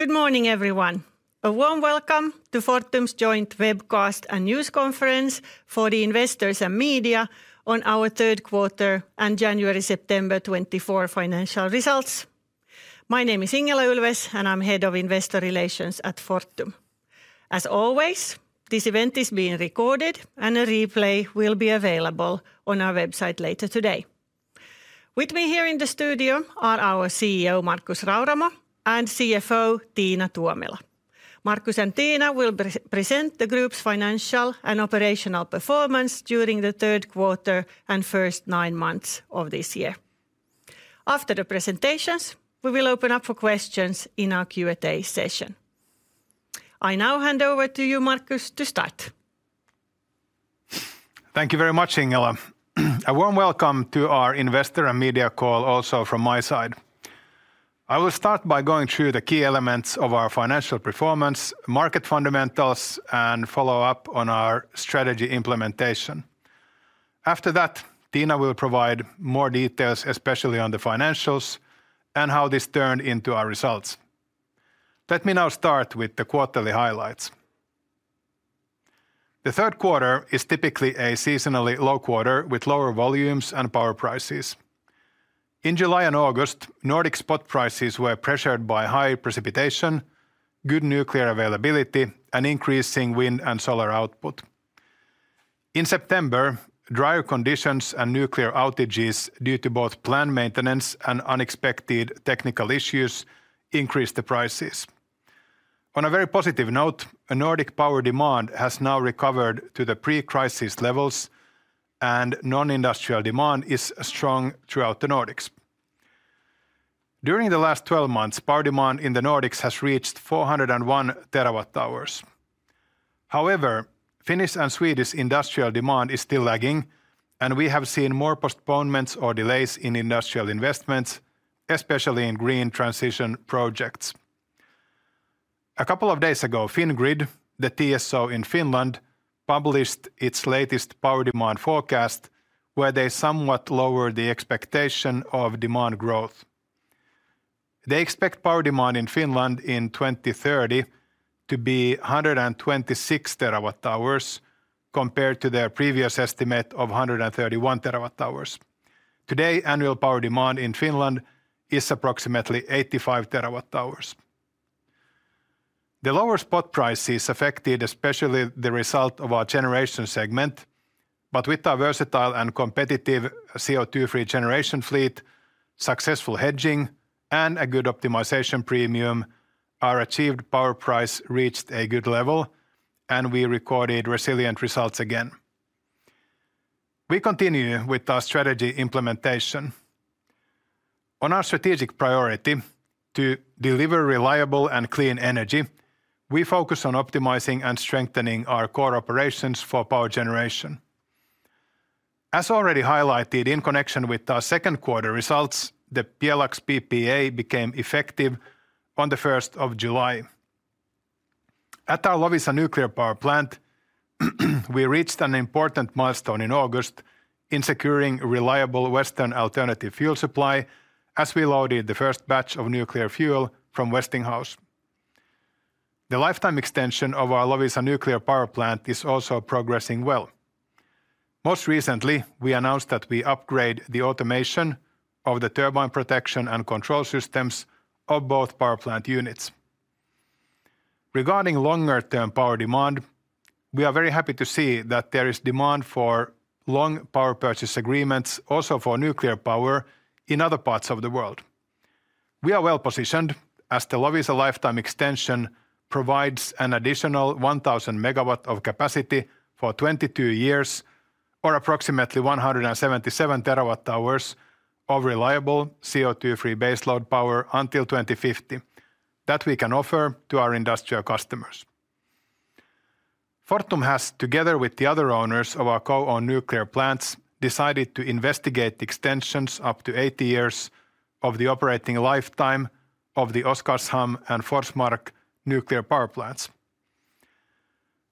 Good morning, everyone. A warm welcome to Fortum's joint webcast and news conference for the investors and media on our third quarter and January-September 2024 financial results. My name is Ingela Ulfves, and I'm Head of Investor Relations at Fortum. As always, this event is being recorded, and a replay will be available on our website later today. With me here in the studio are our CEO, Markus Rauramo, and CFO, Tiina Tuomela. Markus and Tiina will present the group's financial and operational performance during the third quarter and first nine months of this year. After the presentations, we will open up for questions in our Q&A session. I now hand over to you, Markus, to start. Thank you very much, Ingela. A warm welcome to our investor and media call also from my side. I will start by going through the key elements of our financial performance, market fundamentals, and follow up on our strategy implementation. After that, Tiina will provide more details, especially on the financials and how this turned into our results. Let me now start with the quarterly highlights. The third quarter is typically a seasonally low quarter with lower volumes and power prices. In July and August, Nordic spot prices were pressured by high precipitation, good nuclear availability, and increasing wind and solar output. In September, drier conditions and nuclear outages due to both planned maintenance and unexpected technical issues increased the prices. On a very positive note, a Nordic power demand has now recovered to the pre-crisis levels, and non-industrial demand is strong throughout the Nordics. During the last twelve months, power demand in the Nordics has reached 401 terawatt hours. However, Finnish and Swedish industrial demand is still lagging, and we have seen more postponements or delays in industrial investments, especially in green transition projects. A couple of days ago, Fingrid, the TSO in Finland, published its latest power demand forecast, where they somewhat lowered the expectation of demand growth. They expect power demand in Finland in 2030 to be 126TWh, compared to their previous estimate of 131 TWh. Today, annual power demand in Finland is approximately 85TWh. The lower spot prices affected, especially the result of our generation segment, but with our versatile and competitive CO2-free generation fleet, successful hedging, and a good optimization premium, our achieved power price reached a good level, and we recorded resilient results again. We continue with our strategy implementation. On our strategic priority to deliver reliable and clean energy, we focus on optimizing and strengthening our core operations for power generation. As already highlighted in connection with our second quarter results, the Pjelax PPA became effective on the first of July. At our Loviisa nuclear power plant, we reached an important milestone in August in securing reliable Western alternative fuel supply as we loaded the first batch of nuclear fuel from Westinghouse. The lifetime extension of our Loviisa nuclear power plant is also progressing well. Most recently, we announced that we upgrade the automation of the turbine protection and control systems of both power plant units. Regarding longer-term power demand, we are very happy to see that there is demand for long power purchase agreements, also for nuclear power in other parts of the world. We are well-positioned, as the Loviisa lifetime extension provides an additional 1000 megawatts of capacity for 22 years, or approximately 177TWh of reliable CO2-free base load power until 2050 that we can offer to our industrial customers. Fortum has, together with the other owners of our co-owned nuclear plants, decided to investigate extensions up to 80 years of the operating lifetime of the Oskarshamn and Forsmark nuclear power plants.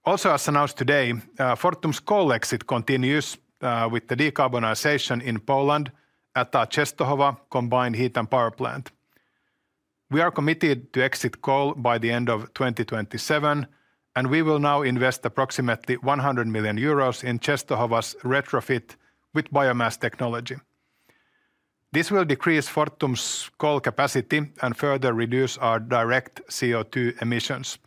Also, as announced today, Fortum's coal exit continues, with the decarbonization in Poland at our Czestochowa combined heat and power plant. We are committed to exit coal by the end of 2027, and we will now invest approximately 100 million euros in Czestochowa's retrofit with biomass technology. This will decrease Fortum's coal capacity and further reduce our direct CO2 emissions.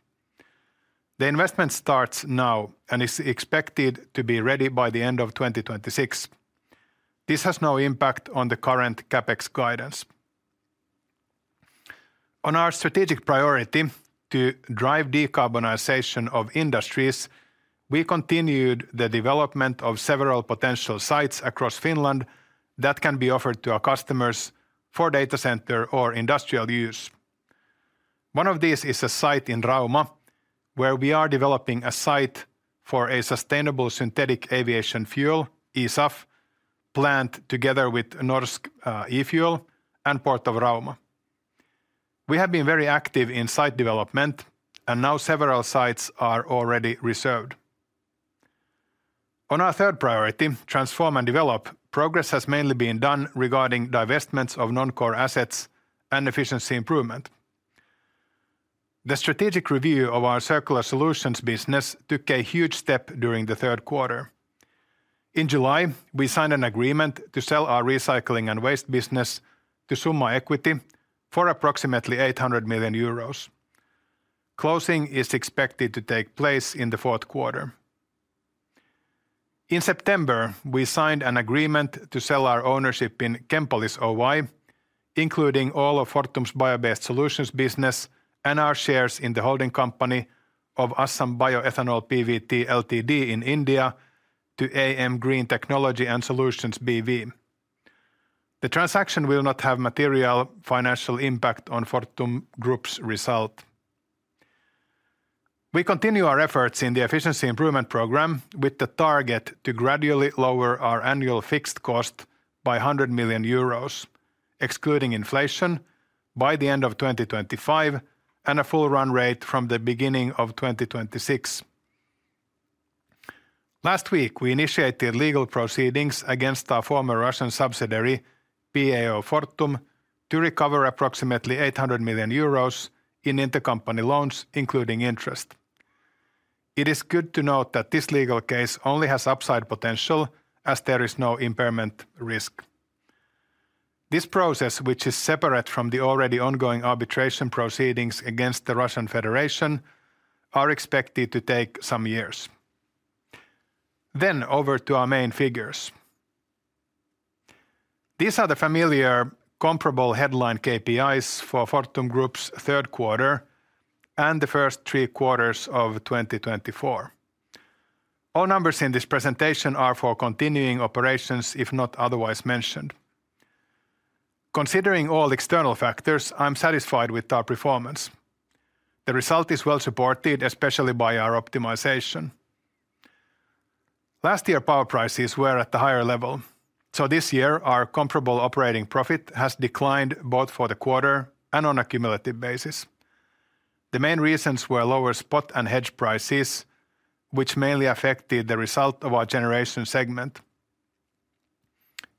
The investment starts now and is expected to be ready by the end of 2026. This has no impact on the current CapEx guidance. On our strategic priority to drive decarbonization of industries, we continued the development of several potential sites across Finland that can be offered to our customers for data center or industrial use. One of these is a site in Rauma, where we are developing a site for a sustainable synthetic aviation fuel, SAF, plant, together with Norsk e-Fuel and Port of Rauma. We have been very active in site development, and now several sites are already reserved. On our third priority, transform and develop, progress has mainly been done regarding divestments of non-core assets and efficiency improvement. The strategic review of our circular solutions business took a huge step during the third quarter. In July, we signed an agreement to sell our recycling and waste business to Summa Equity for approximately 800 million euros. Closing is expected to take place in the fourth quarter. In September, we signed an agreement to sell our ownership in Chempolis Oy, including all of Fortum's bio-based solutions business and our shares in the holding company of Assam Bio Ethanol Pvt. Ltd. in India to AM Green Technology and Solutions BV. The transaction will not have material financial impact on Fortum Group's result. We continue our efforts in the efficiency improvement program with the target to gradually lower our annual fixed cost by 100 million euros, excluding inflation, by the end of 2025, and a full run rate from the beginning of 2026. Last week, we initiated legal proceedings against our former Russian subsidiary, PAO Fortum, to recover approximately 800 million euros in intercompany loans, including interest. It is good to note that this legal case only has upside potential, as there is no impairment risk. This process, which is separate from the already ongoing arbitration proceedings against the Russian Federation, are expected to take some years. Then over to our main figures. These are the familiar comparable headline KPIs for Fortum Group's third quarter and the first three quarters of 2024. All numbers in this presentation are for continuing operations, if not otherwise mentioned. Considering all external factors, I'm satisfied with our performance. The result is well-supported, especially by our optimization. Last year, power prices were at the higher level, so this year our comparable operating profit has declined both for the quarter and on a cumulative basis. The main reasons were lower spot and hedge prices, which mainly affected the result of our generation segment.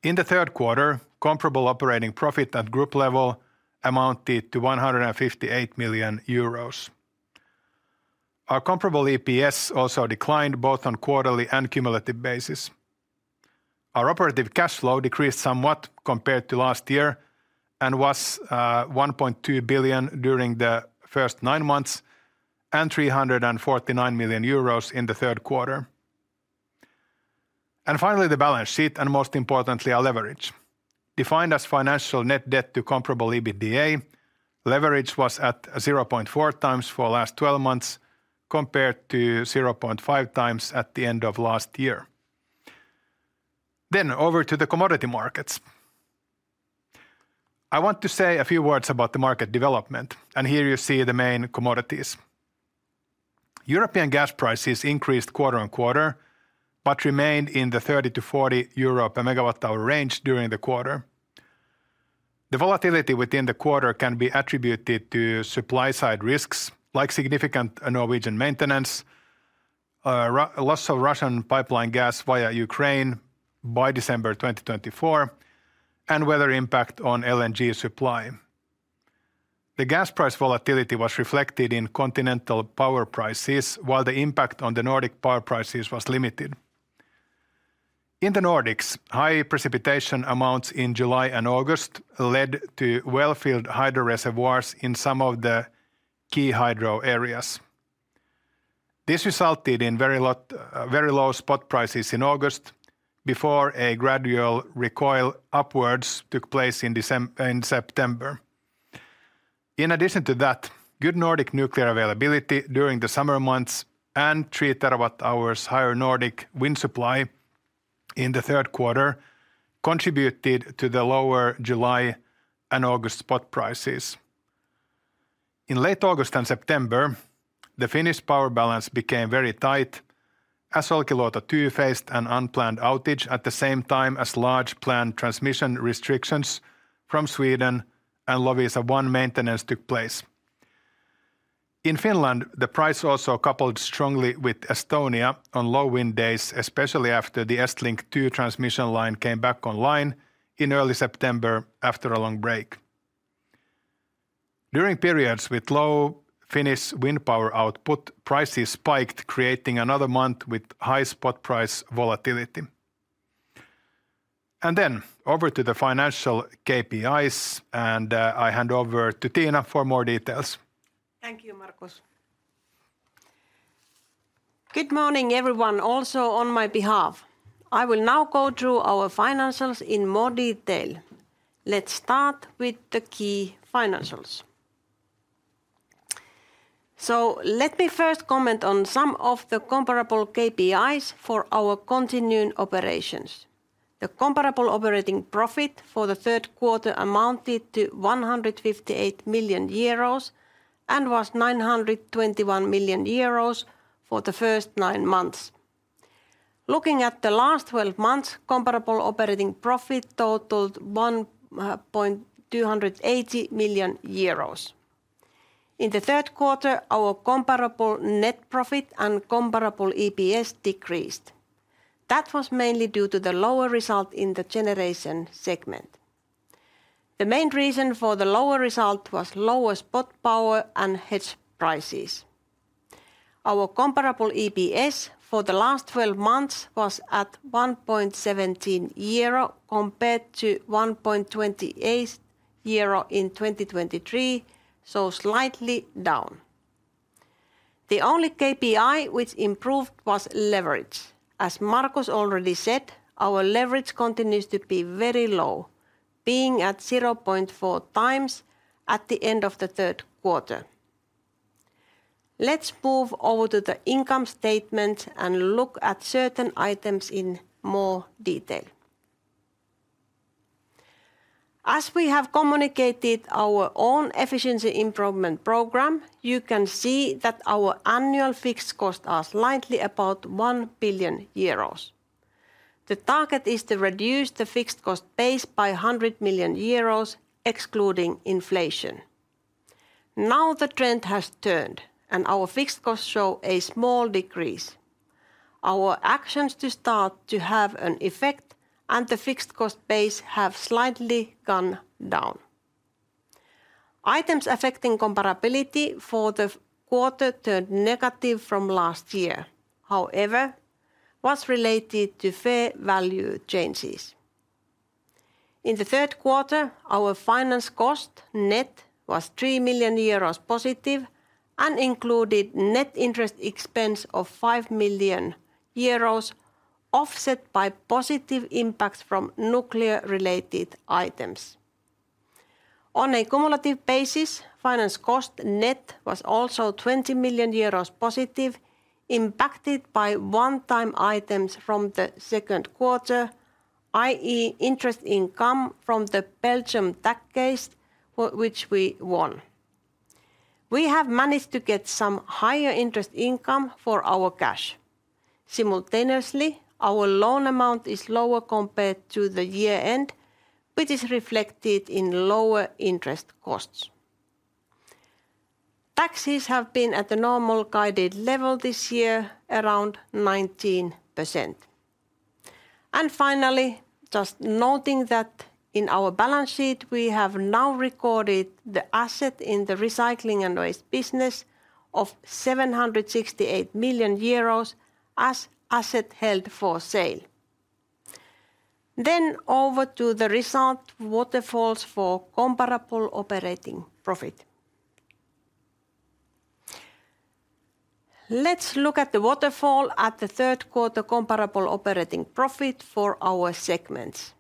In the third quarter, comparable operating profit at group level amounted to 158 million euros. Our comparable EPS also declined, both on quarterly and cumulative basis. Our operative cash flow decreased somewhat compared to last year and was 1.2 billion during the first nine months, and 349 million euros in the third quarter. And finally, the balance sheet, and most importantly, our leverage. Defined as financial net debt to comparable EBITDA, leverage was at zero point four times for last twelve months, compared to 0.5x at the end of last year. Then over to the commodity markets. I want to say a few words about the market development, and here you see the main commodities. European gas prices increased quarter on quarter, but remained in the EUR 30-40MWh range during the quarter. The volatility within the quarter can be attributed to supply-side risks, like significant Norwegian maintenance, loss of Russian pipeline gas via Ukraine by December 2024, and weather impact on LNG supply. The gas price volatility was reflected in continental power prices, while the impact on the Nordic power prices was limited. In the Nordics, high precipitation amounts in July and August led to well-filled hydro reservoirs in some of the key hydro areas. This resulted in very low spot prices in August, before a gradual recoil upwards took place in September. In addition to that, good Nordic nuclear availability during the summer months and three terawatt hours higher Nordic wind supply in the third quarter contributed to the lower July and August spot prices. In late August and September, the Finnish power balance became very tight, as Olkiluoto 2 faced an unplanned outage at the same time as large planned transmission restrictions from Sweden and Loviisa 1 maintenance took place. In Finland, the price also coupled strongly with Estonia on low wind days, especially after the EstLink 2 transmission line came back online in early September after a long break. During periods with low Finnish wind power output, prices spiked, creating another month with high spot price volatility, and then over to the financial KPIs, and I hand over to Tiina for more details. Thank you, Markus. Good morning, everyone, also on my behalf. I will now go through our financials in more detail. Let's start with the key financials. So let me first comment on some of the comparable KPIs for our continuing operations. The comparable operating profit for the third quarter amounted to 158 million euros, and was 921 million euros for the first nine months. Looking at the last twelve months, comparable operating profit totaled 1.28 billion euros. In the third quarter, our comparable net profit and comparable EPS decreased. That was mainly due to the lower result in the generation segment. The main reason for the lower result was lower spot power and hedge prices. Our comparable EPS for the last twelve months was at 1.17 euro, compared to 1.28 euro in 2023, so slightly down. The only KPI which improved was leverage. As Markus already said, our leverage continues to be very low, being at 0.4x at the end of the third quarter. Let's move over to the income statement and look at certain items in more detail. As we have communicated our own efficiency improvement program, you can see that our annual fixed costs are slightly above 1 billion euros. The target is to reduce the fixed cost base by 100 million euros, excluding inflation. Now, the trend has turned, and our fixed costs show a small decrease. Our actions to start to have an effect, and the fixed cost base have slightly gone down. Items affecting comparability for the quarter turned negative from last year, however, was related to fair value changes. In the third quarter, our finance cost net was 3 million euros positive, and included net interest expense of 5 million euros, offset by positive impacts from nuclear-related items. On a cumulative basis, finance cost net was also 20 million euros positive, impacted by one-time items from the second quarter, i.e., interest income from the Belgium tax case, which we won. We have managed to get some higher interest income for our cash. Simultaneously, our loan amount is lower compared to the year-end, which is reflected in lower interest costs. Taxes have been at the normal guided level this year, around 19%. Finally, just noting that in our balance sheet, we have now recorded the asset in the recycling and waste business of 768 million euros as asset held for sale. Over to the result waterfalls for comparable operating profit. Let's look at the waterfall at the third quarter comparable operating profit for our segments.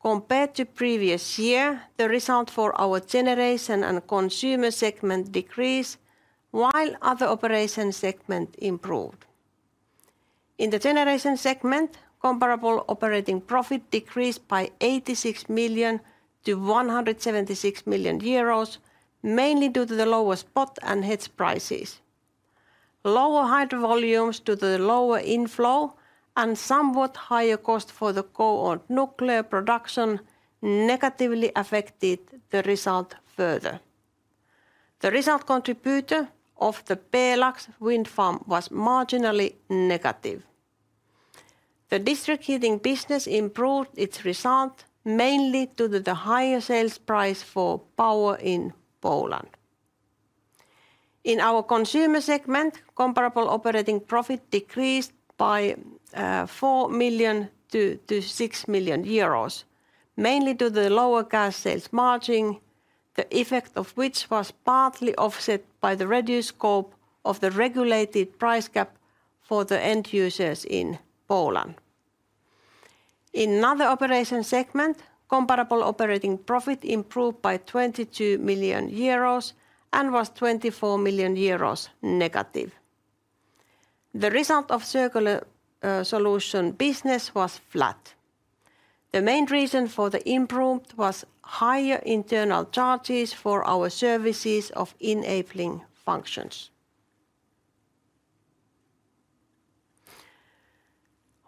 Compared to previous year, the result for our generation and consumer segment decreased, while other operation segment improved. In the generation segment, comparable operating profit decreased by 86-176 million euros, mainly due to the lower spot and hedge prices. Lower hydro volumes due to the lower inflow and somewhat higher cost for the coal and nuclear production negatively affected the result further. The result contribution of the Pjelax wind farm was marginally negative. The district heating business improved its result, mainly due to the higher sales price for power in Poland. In our consumer solutions segment, comparable operating profit decreased by 4-6 million euros, mainly due to the lower gas sales margin, the effect of which was partly offset by the reduced scope of the regulated price cap for the end users in Poland. In other operations segment, comparable operating profit improved by 22 million euros and was 24 million euros negative. The result of circular solutions business was flat. The main reason for the improvement was higher internal charges for our services of enabling functions.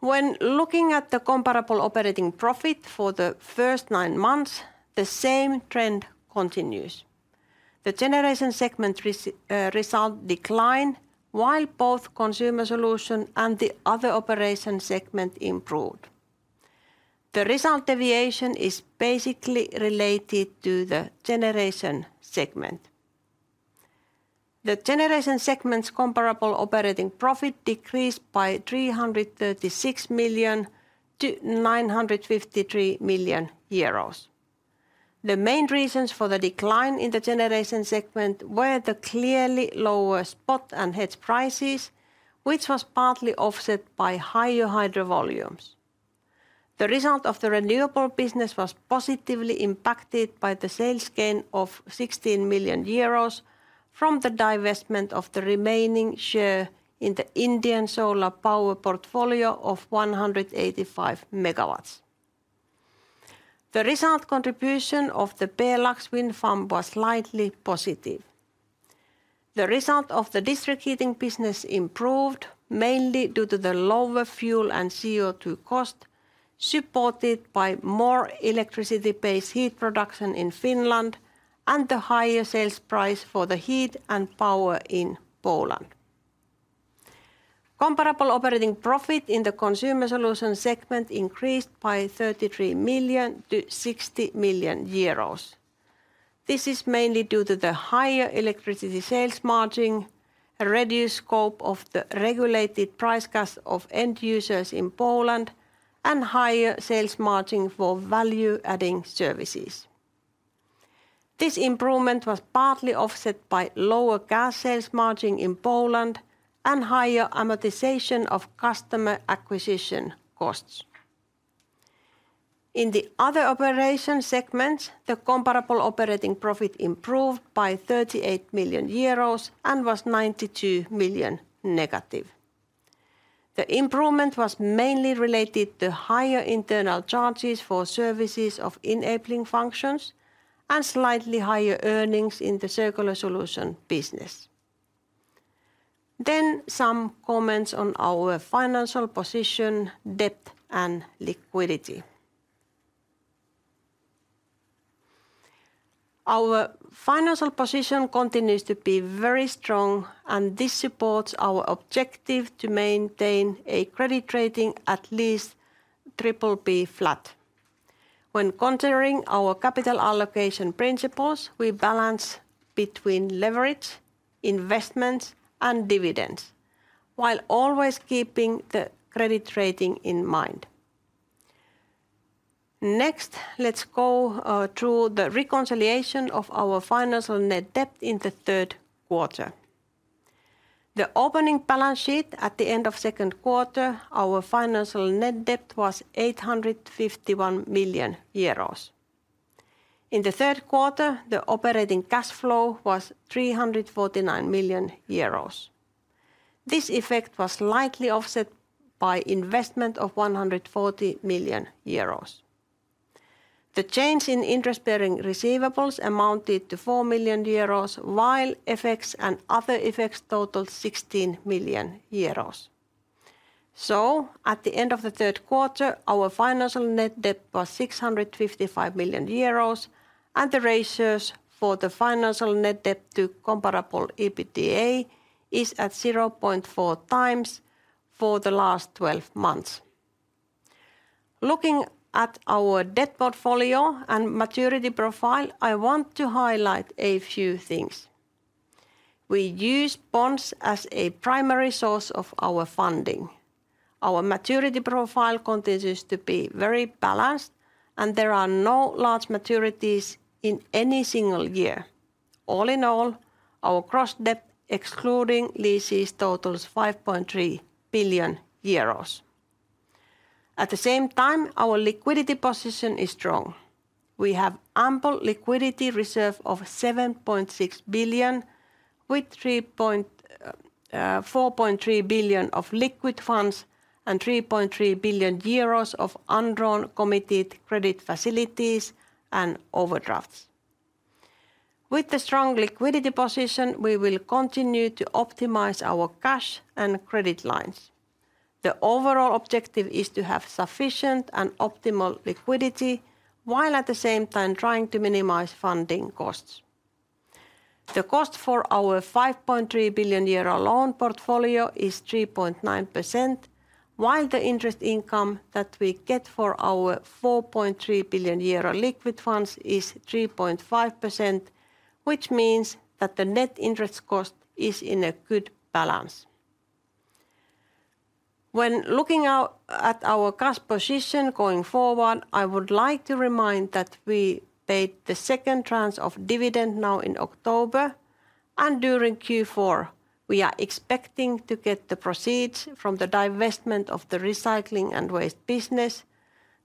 When looking at the comparable operating profit for the first nine months, the same trend continues. The generation segment result declined, while both consumer solutions and the other operations segment improved. The result deviation is basically related to the generation segment. The generation segment's comparable operating profit decreased by 336-953 million euros. The main reasons for the decline in the generation segment were the clearly lower spot and hedge prices, which was partly offset by higher hydro volumes. The result of the renewable business was positively impacted by the sales gain of 16 million euros from the divestment of the remaining share in the Indian solar power portfolio of 185MW. The result contribution of the Belux wind farm was slightly positive. The result of the district heating business improved, mainly due to the lower fuel and CO2 cost, supported by more electricity-based heat production in Finland, and the higher sales price for the heat and power in Poland. Comparable operating profit in the consumer solutions segment increased by 33-60 million euros. This is mainly due to the higher electricity sales margin, a reduced scope of the regulated price gas offer to end users in Poland, and higher sales margin for value-adding services. This improvement was partly offset by lower gas sales margin in Poland and higher amortization of customer acquisition costs. In the other operations segments, the comparable operating profit improved by 38 million euros and was -92 million. The improvement was mainly related to higher internal charges for services of enabling functions and slightly higher earnings in the circular solutions business. Some comments on our financial position, debt, and liquidity. Our financial position continues to be very strong, and this supports our objective to maintain a credit rating at least triple B flat. When considering our capital allocation principles, we balance between leverage, investments, and dividends, while always keeping the credit rating in mind. Next, let's go through the reconciliation of our financial net debt in the third quarter. The opening balance sheet at the end of second quarter, our financial net debt was 851 million euros. In the third quarter, the operating cash flow was 349 million euros. This effect was slightly offset by investment of 140 million euros. The change in interest-bearing receivables amounted to 4 million euros, while effects and other effects totaled 16 million euros. So, at the end of the third quarter, our financial net debt was 655 million euros, and the ratios for the financial net debt to comparable EBITDA is at 0.4x for the last 12 months. Looking at our debt portfolio and maturity profile, I want to highlight a few things. We use bonds as a primary source of our funding. Our maturity profile continues to be very balanced, and there are no large maturities in any single year. All in all, our gross debt, excluding leases, totals 5.3 billion euros. At the same time, our liquidity position is strong. We have ample liquidity reserve of 7.6 billion, with four point three billion of liquid funds and 3.3 billion euros of undrawn committed credit facilities and overdrafts. With the strong liquidity position, we will continue to optimize our cash and credit lines. The overall objective is to have sufficient and optimal liquidity, while at the same time trying to minimize funding costs. The cost for our 5.3 billion euro loan portfolio is 3.9%, while the interest income that we get for our 4.3 billion euro liquid funds is 3.5%, which means that the net interest cost is in a good balance. When looking out at our cash position going forward, I would like to remind that we paid the second tranche of dividend now in October, and during Q4, we are expecting to get the proceeds from the divestment of the recycling and waste business,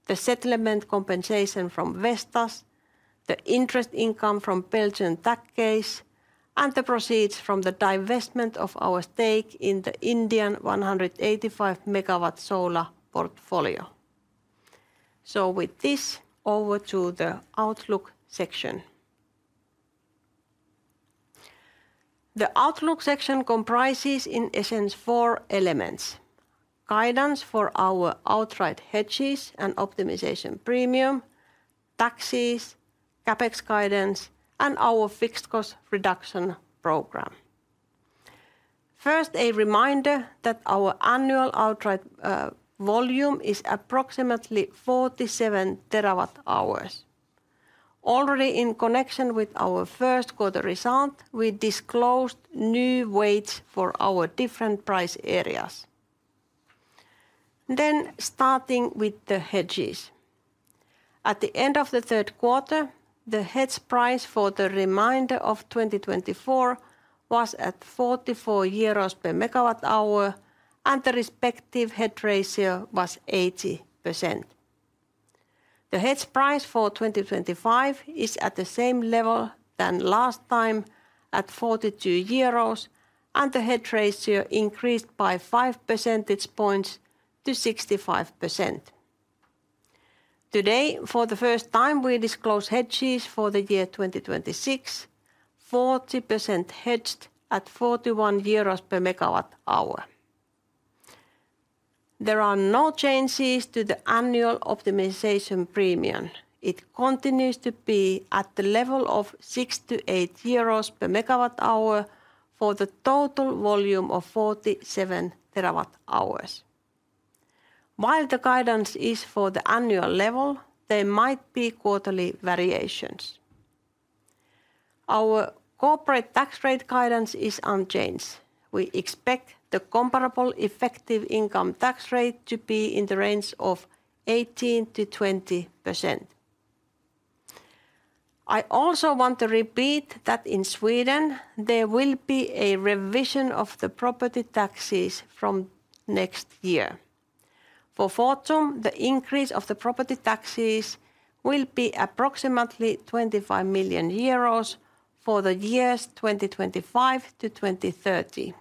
the settlement compensation from Vestas, the interest income from Belgian tax case, and the proceeds from the divestment of our stake in the Indian 108.5MW solar portfolio. With this, over to the outlook section. The outlook section comprises, in essence, four elements: guidance for our outright hedges and optimization premium, taxes, CapEx guidance, and our fixed cost reduction program. First, a reminder that our annual outright volume is approximately 47TWh. Already in connection with our first quarter result, we disclosed new weights for our different price areas. Then, starting with the hedges. At the end of the third quarter, the hedge price for the remainder of 2024 was at EUR 44MWh, and the respective hedge ratio was 80%. The hedge price for 2025 is at the same level than last time, at 42 euros, and the hedge ratio increased by 5% points to 65%. Today, for the first time, we disclose hedges for the year 2026, 40% hedged at EUR 41MWh. There are no changes to the annual optimization premium. It continues to be at the level of EUR 6-8MWh for the total volume of 47TWh. While the guidance is for the annual level, there might be quarterly variations. Our corporate tax rate guidance is unchanged. We expect the comparable effective income tax rate to be in the range of 18-20%. I also want to repeat that in Sweden, there will be a revision of the property taxes from next year. For Fortum, the increase of the property taxes will be approximately 25 million euros for the years 2025-2030.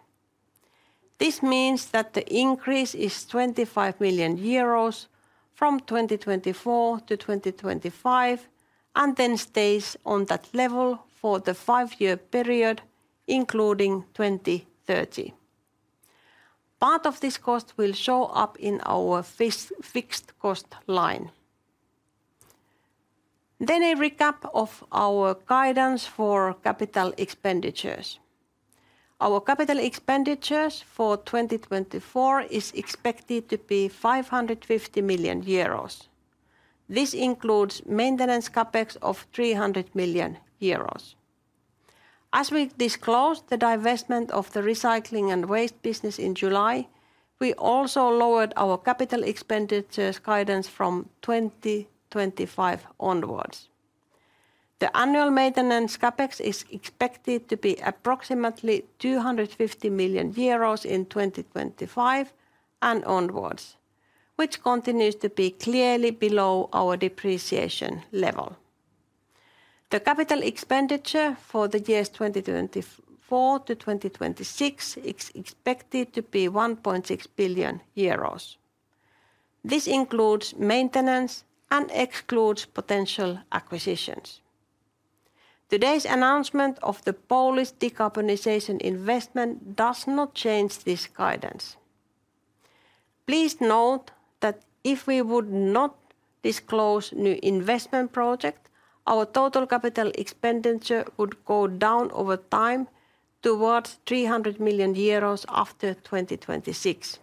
This means that the increase is 25 million euros from 2024-2025, and then stays on that level for the 5-year period, including 2030. Part of this cost will show up in our fixed cost line. Then a recap of our guidance for capital expenditures. Our capital expenditures for 2024 is expected to be 550 million euros. This includes maintenance CapEx of 300 million euros. As we disclosed the divestment of the recycling and waste business in July, we also lowered our capital expenditures guidance from 2025 onwards. The annual maintenance CapEx is expected to be approximately 250 million euros in 2025 and onwards, which continues to be clearly below our depreciation level. The capital expenditure for the years 2024-2026 is expected to be 1.6 billion euros. This includes maintenance and excludes potential acquisitions. Today's announcement of the Polish decarbonization investment does not change this guidance. Please note that if we would not disclose new investment project, our total capital expenditure would go down over time towards 300 million euros after 2026.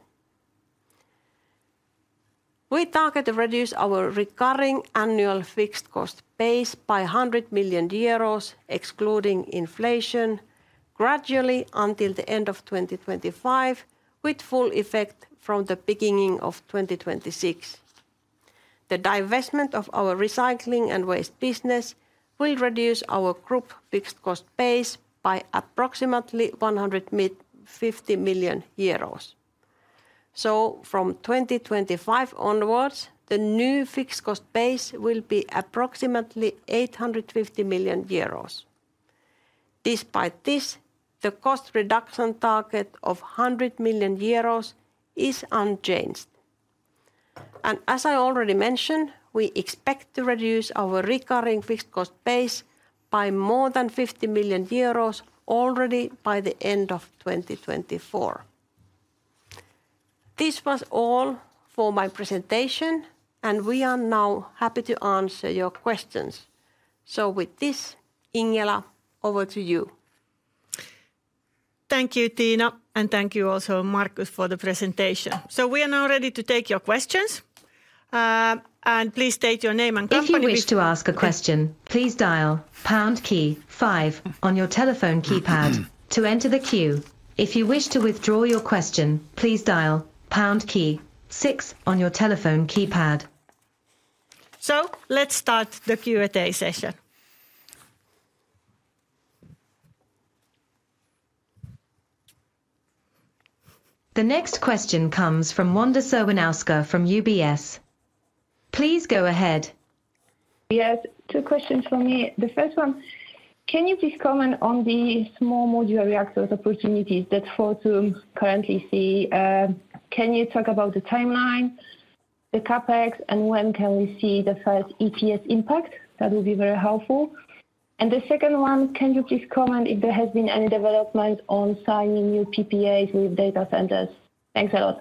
We target to reduce our recurring annual fixed cost base by 100 million euros, excluding inflation, gradually until the end of 2025, with full effect from the beginning of 2026. The divestment of our recycling and waste business will reduce our group fixed cost base by approximately EUR 50 million. From 2025 onwards, the new fixed cost base will be approximately 850 million euros. Despite this, the cost reduction target of 100 million euros is unchanged, as I already mentioned. We expect to reduce our recurring fixed cost base by more than 50 million euros already by the end of 2024. This was all for my presentation, and we are now happy to answer your questions. So with this, Ingela, over to you. Thank you, Tiina, and thank you also, Markus, for the presentation. So we are now ready to take your questions, and please state your name and company. If you wish to ask a question, please dial pound key five on your telephone keypad to enter the queue. If you wish to withdraw your question, please dial pound key six on your telephone keypad. So let's start the Q&A session. The next question comes from Wanda Serwinowska from UBS. Please go ahead. Yes, two questions from me. The first one, can you please comment on the small modular reactors opportunities that Fortum currently see? Can you talk about the timeline, the CapEx, and when can we see the first ETS impact? That would be very helpful. And the second one, can you please comment if there has been any development on signing new PPAs with data centers? Thanks a lot.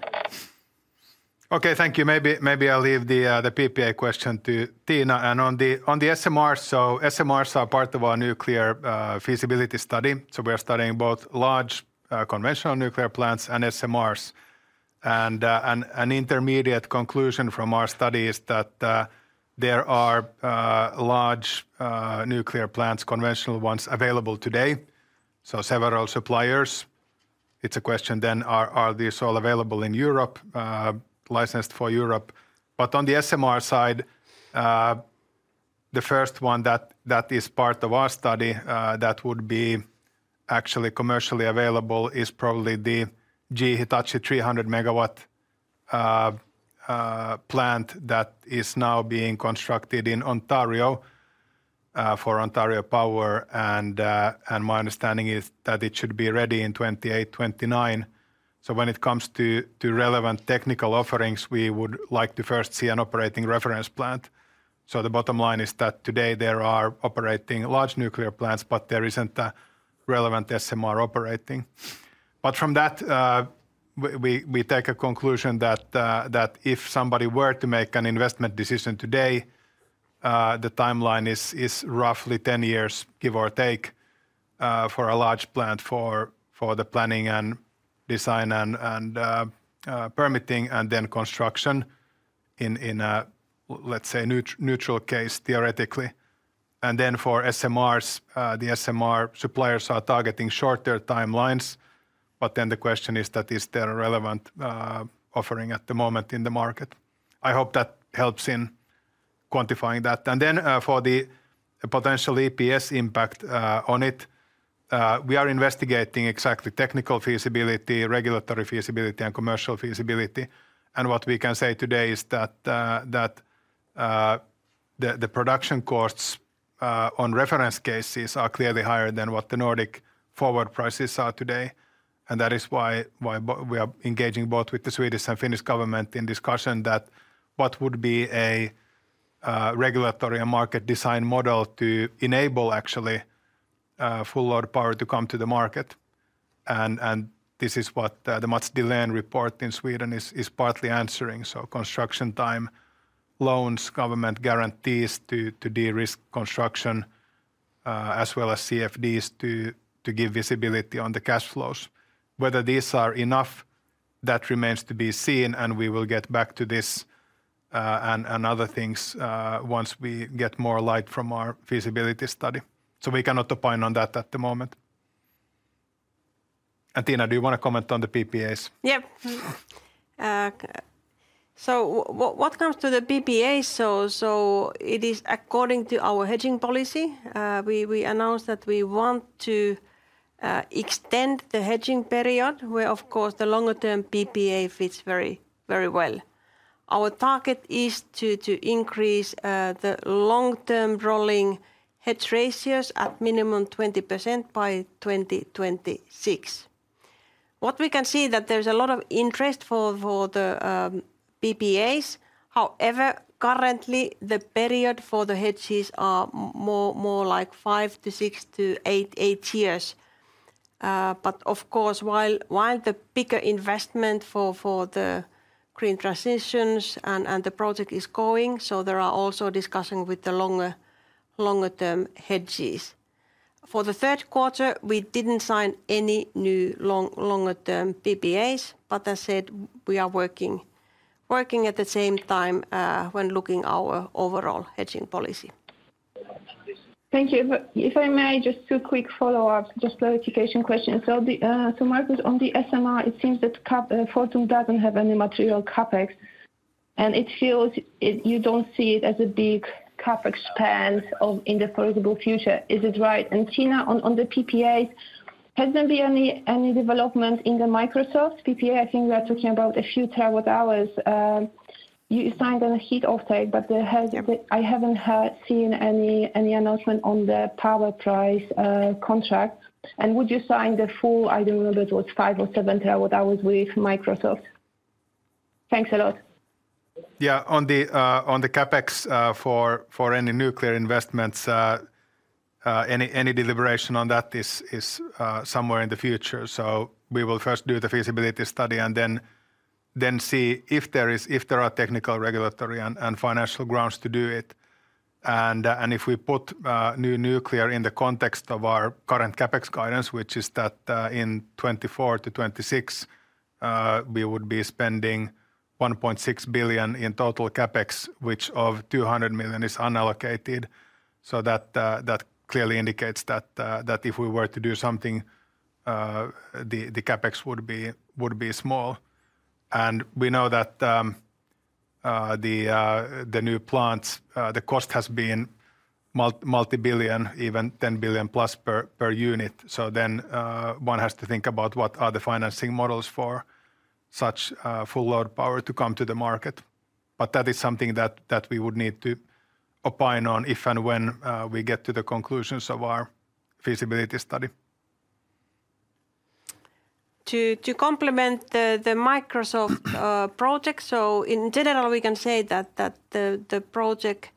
Okay, thank you. Maybe I'll leave the PPA question to Tiina. And on the SMR, so SMRs are part of our nuclear feasibility study, so we are studying both large conventional nuclear plants and SMRs. And an intermediate conclusion from our study is that there are large nuclear plants, conventional ones, available today, so several suppliers. It's a question then, are these all available in Europe, licensed for Europe? But on the SMR side, the first one that is part of our study that would be actually commercially available is probably the GE Hitachi 300MW plant that is now being constructed in Ontario for Ontario Power, and my understanding is that it should be ready in 2028, 2029. When it comes to relevant technical offerings, we would like to first see an operating reference plant. The bottom line is that today there are operating large nuclear plants, but there isn't a relevant SMR operating. From that, we take a conclusion that if somebody were to make an investment decision today, the timeline is roughly 10 years, give or take, for a large plant for the planning and design and permitting and then construction in a neutral case, theoretically. For SMRs, the SMR suppliers are targeting shorter timelines, but then the question is, is there a relevant offering at the moment in the market? I hope that helps in quantifying that. And then, for the potential EPS impact on it, we are investigating exactly technical feasibility, regulatory feasibility, and commercial feasibility. And what we can say today is that the production costs on reference cases are clearly higher than what the Nordic forward prices are today, and that is why we are engaging both with the Swedish and Finnish government in discussion that what would be a regulatory and market design model to enable actually full load power to come to the market? And this is what the Mats Dellin report in Sweden is partly answering. So construction time, loans, government guarantees to de-risk construction, as well as CFDs to give visibility on the cash flows. Whether these are enough, that remains to be seen, and we will get back to this, and other things, once we get more light from our feasibility study. So we cannot opine on that at the moment. Tiina, do you wanna comment on the PPAs? Yep. So what comes to the PPAs, so it is according to our hedging policy. We announced that we want to extend the hedging period, where of course, the longer-term PPA fits very, very well. Our target is to increase the long-term rolling hedge ratios at minimum 20% by 2026. What we can see that there's a lot of interest for the PPAs. However, currently, the period for the hedges are more like 5-6-8 years. But of course, while the bigger investment for the green transitions and the project is going, so there are also discussing with the longer-term hedges. For the third quarter, we didn't sign any new long, longer-term PPAs, but as I said, we are working at the same time when looking our overall hedging policy. Thank you. If I may, just two quick follow-ups, just clarification questions. So Markus, on the SMR, it seems that Fortum doesn't have any material CapEx, and it feels it... You don't see it as a big CapEx spend in the foreseeable future. Is it right? And Tiina, on the PPAs, has there been any development in the Microsoft PPA? I think we are talking about a few terawatt-hours. You signed a heat offtake, but there has. I haven't heard or seen any announcement on the power purchase contract. And would you sign the full, I don't remember if it was 5 or 7TWh with Microsoft? Thanks a lot. Yeah, on the CapEx for any nuclear investments, any deliberation on that is somewhere in the future. So we will first do the feasibility study and then see if there are technical, regulatory, and financial grounds to do it. And if we put new nuclear in the context of our current CapEx guidance, which is that in 2024 to 2026 we would be spending 1.6 billion in total CapEx, of which 200 million is unallocated. So that clearly indicates that if we were to do something the CapEx would be small. And we know that the new plants the cost has been multibillion, even 10+ billion per unit. So then, one has to think about what are the financing models for such base load power to come to the market. But that is something that we would need to opine on, if and when, we get to the conclusions of our feasibility study. To complement the Microsoft project, so in general, we can say that the project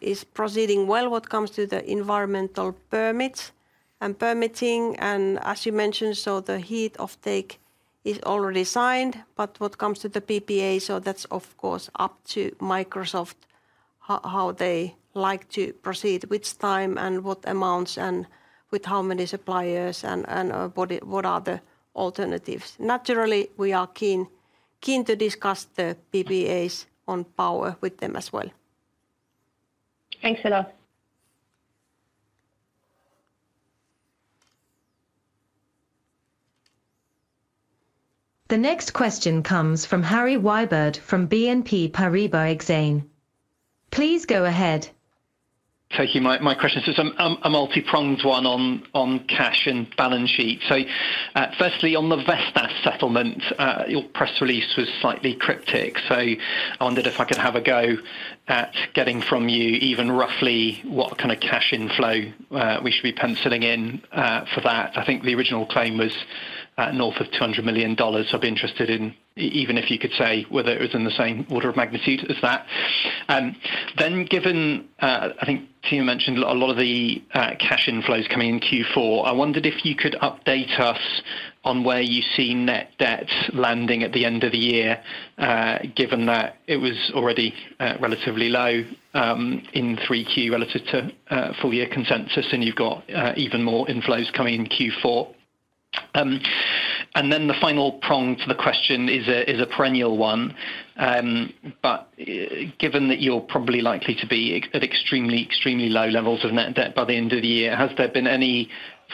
is proceeding well, what comes to the environmental permits and permitting. And as you mentioned, so the heat offtake is already signed, but what comes to the PPA, so that's of course up to Microsoft, how they like to proceed, which time and what amounts, and with how many suppliers, and what are the alternatives. Naturally, we are keen to discuss the PPAs on power with them as well. Thanks a lot. The next question comes from Harry Wyburd from BNP Paribas Exane. Please go ahead. Thank you. My question is a multipronged one on cash and balance sheet. So, firstly, on the Vestas settlement, your press release was slightly cryptic, so I wondered if I could have a go at getting from you, even roughly, what kind of cash inflow we should be penciling in for that? I think the original claim was north of EUR 200 million. I'd be interested in even if you could say whether it was in the same order of magnitude as that? Then given I think Tiina mentioned a lot of the cash inflows coming in Q4, I wondered if you could update us on where you see net debt landing at the end of the year, given that it was already relatively low in 3Q relative to full year consensus, and you've got even more inflows coming in Q4. And then the final prong to the question is a perennial one, but given that you're probably likely to be at extremely low levels of net debt by the end of the year, has there been any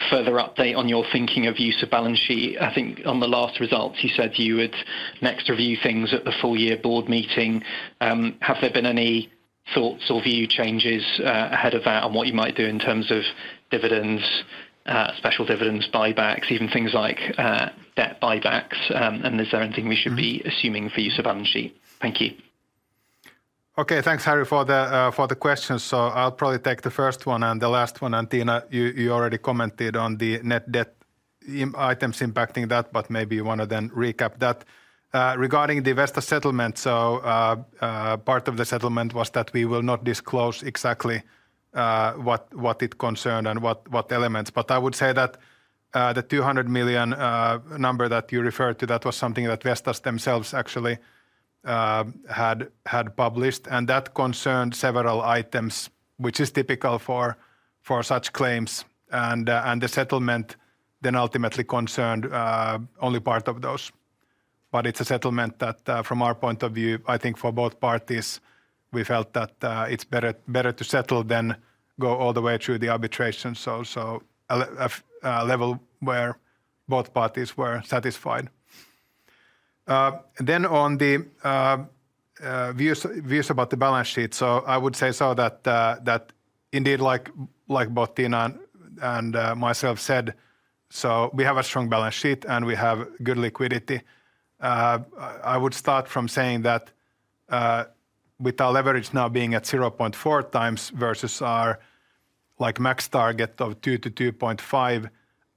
further update on your thinking of use of balance sheet? I think on the last results, you said you would next review things at the full year board meeting. Have there been any thoughts or view changes ahead of that on what you might do in terms of dividends, special dividends, buybacks, even things like, debt buybacks? And is there anything we should be assuming for use of balance sheet? Thank you. Okay, thanks, Harry, for the questions. So I'll probably take the first one and the last one, and Tiina, you already commented on the net debt items impacting that, but maybe you want to then recap that. Regarding the Vestas settlement, part of the settlement was that we will not disclose exactly what it concerned and what elements. But I would say that the 200 million number that you referred to, that was something that Vestas themselves actually had published, and that concerned several items, which is typical for such claims. And the settlement then ultimately concerned only part of those. But it's a settlement that, from our point of view, I think for both parties, we felt that, it's better to settle than go all the way through the arbitration. So, a level where both parties were satisfied. Then on the views about the balance sheet. So I would say that indeed, like, both Tiina and myself said, so we have a strong balance sheet, and we have good liquidity. I would start from saying that, with our leverage now being at 0.4x versus our, like, max target of 2-2.5,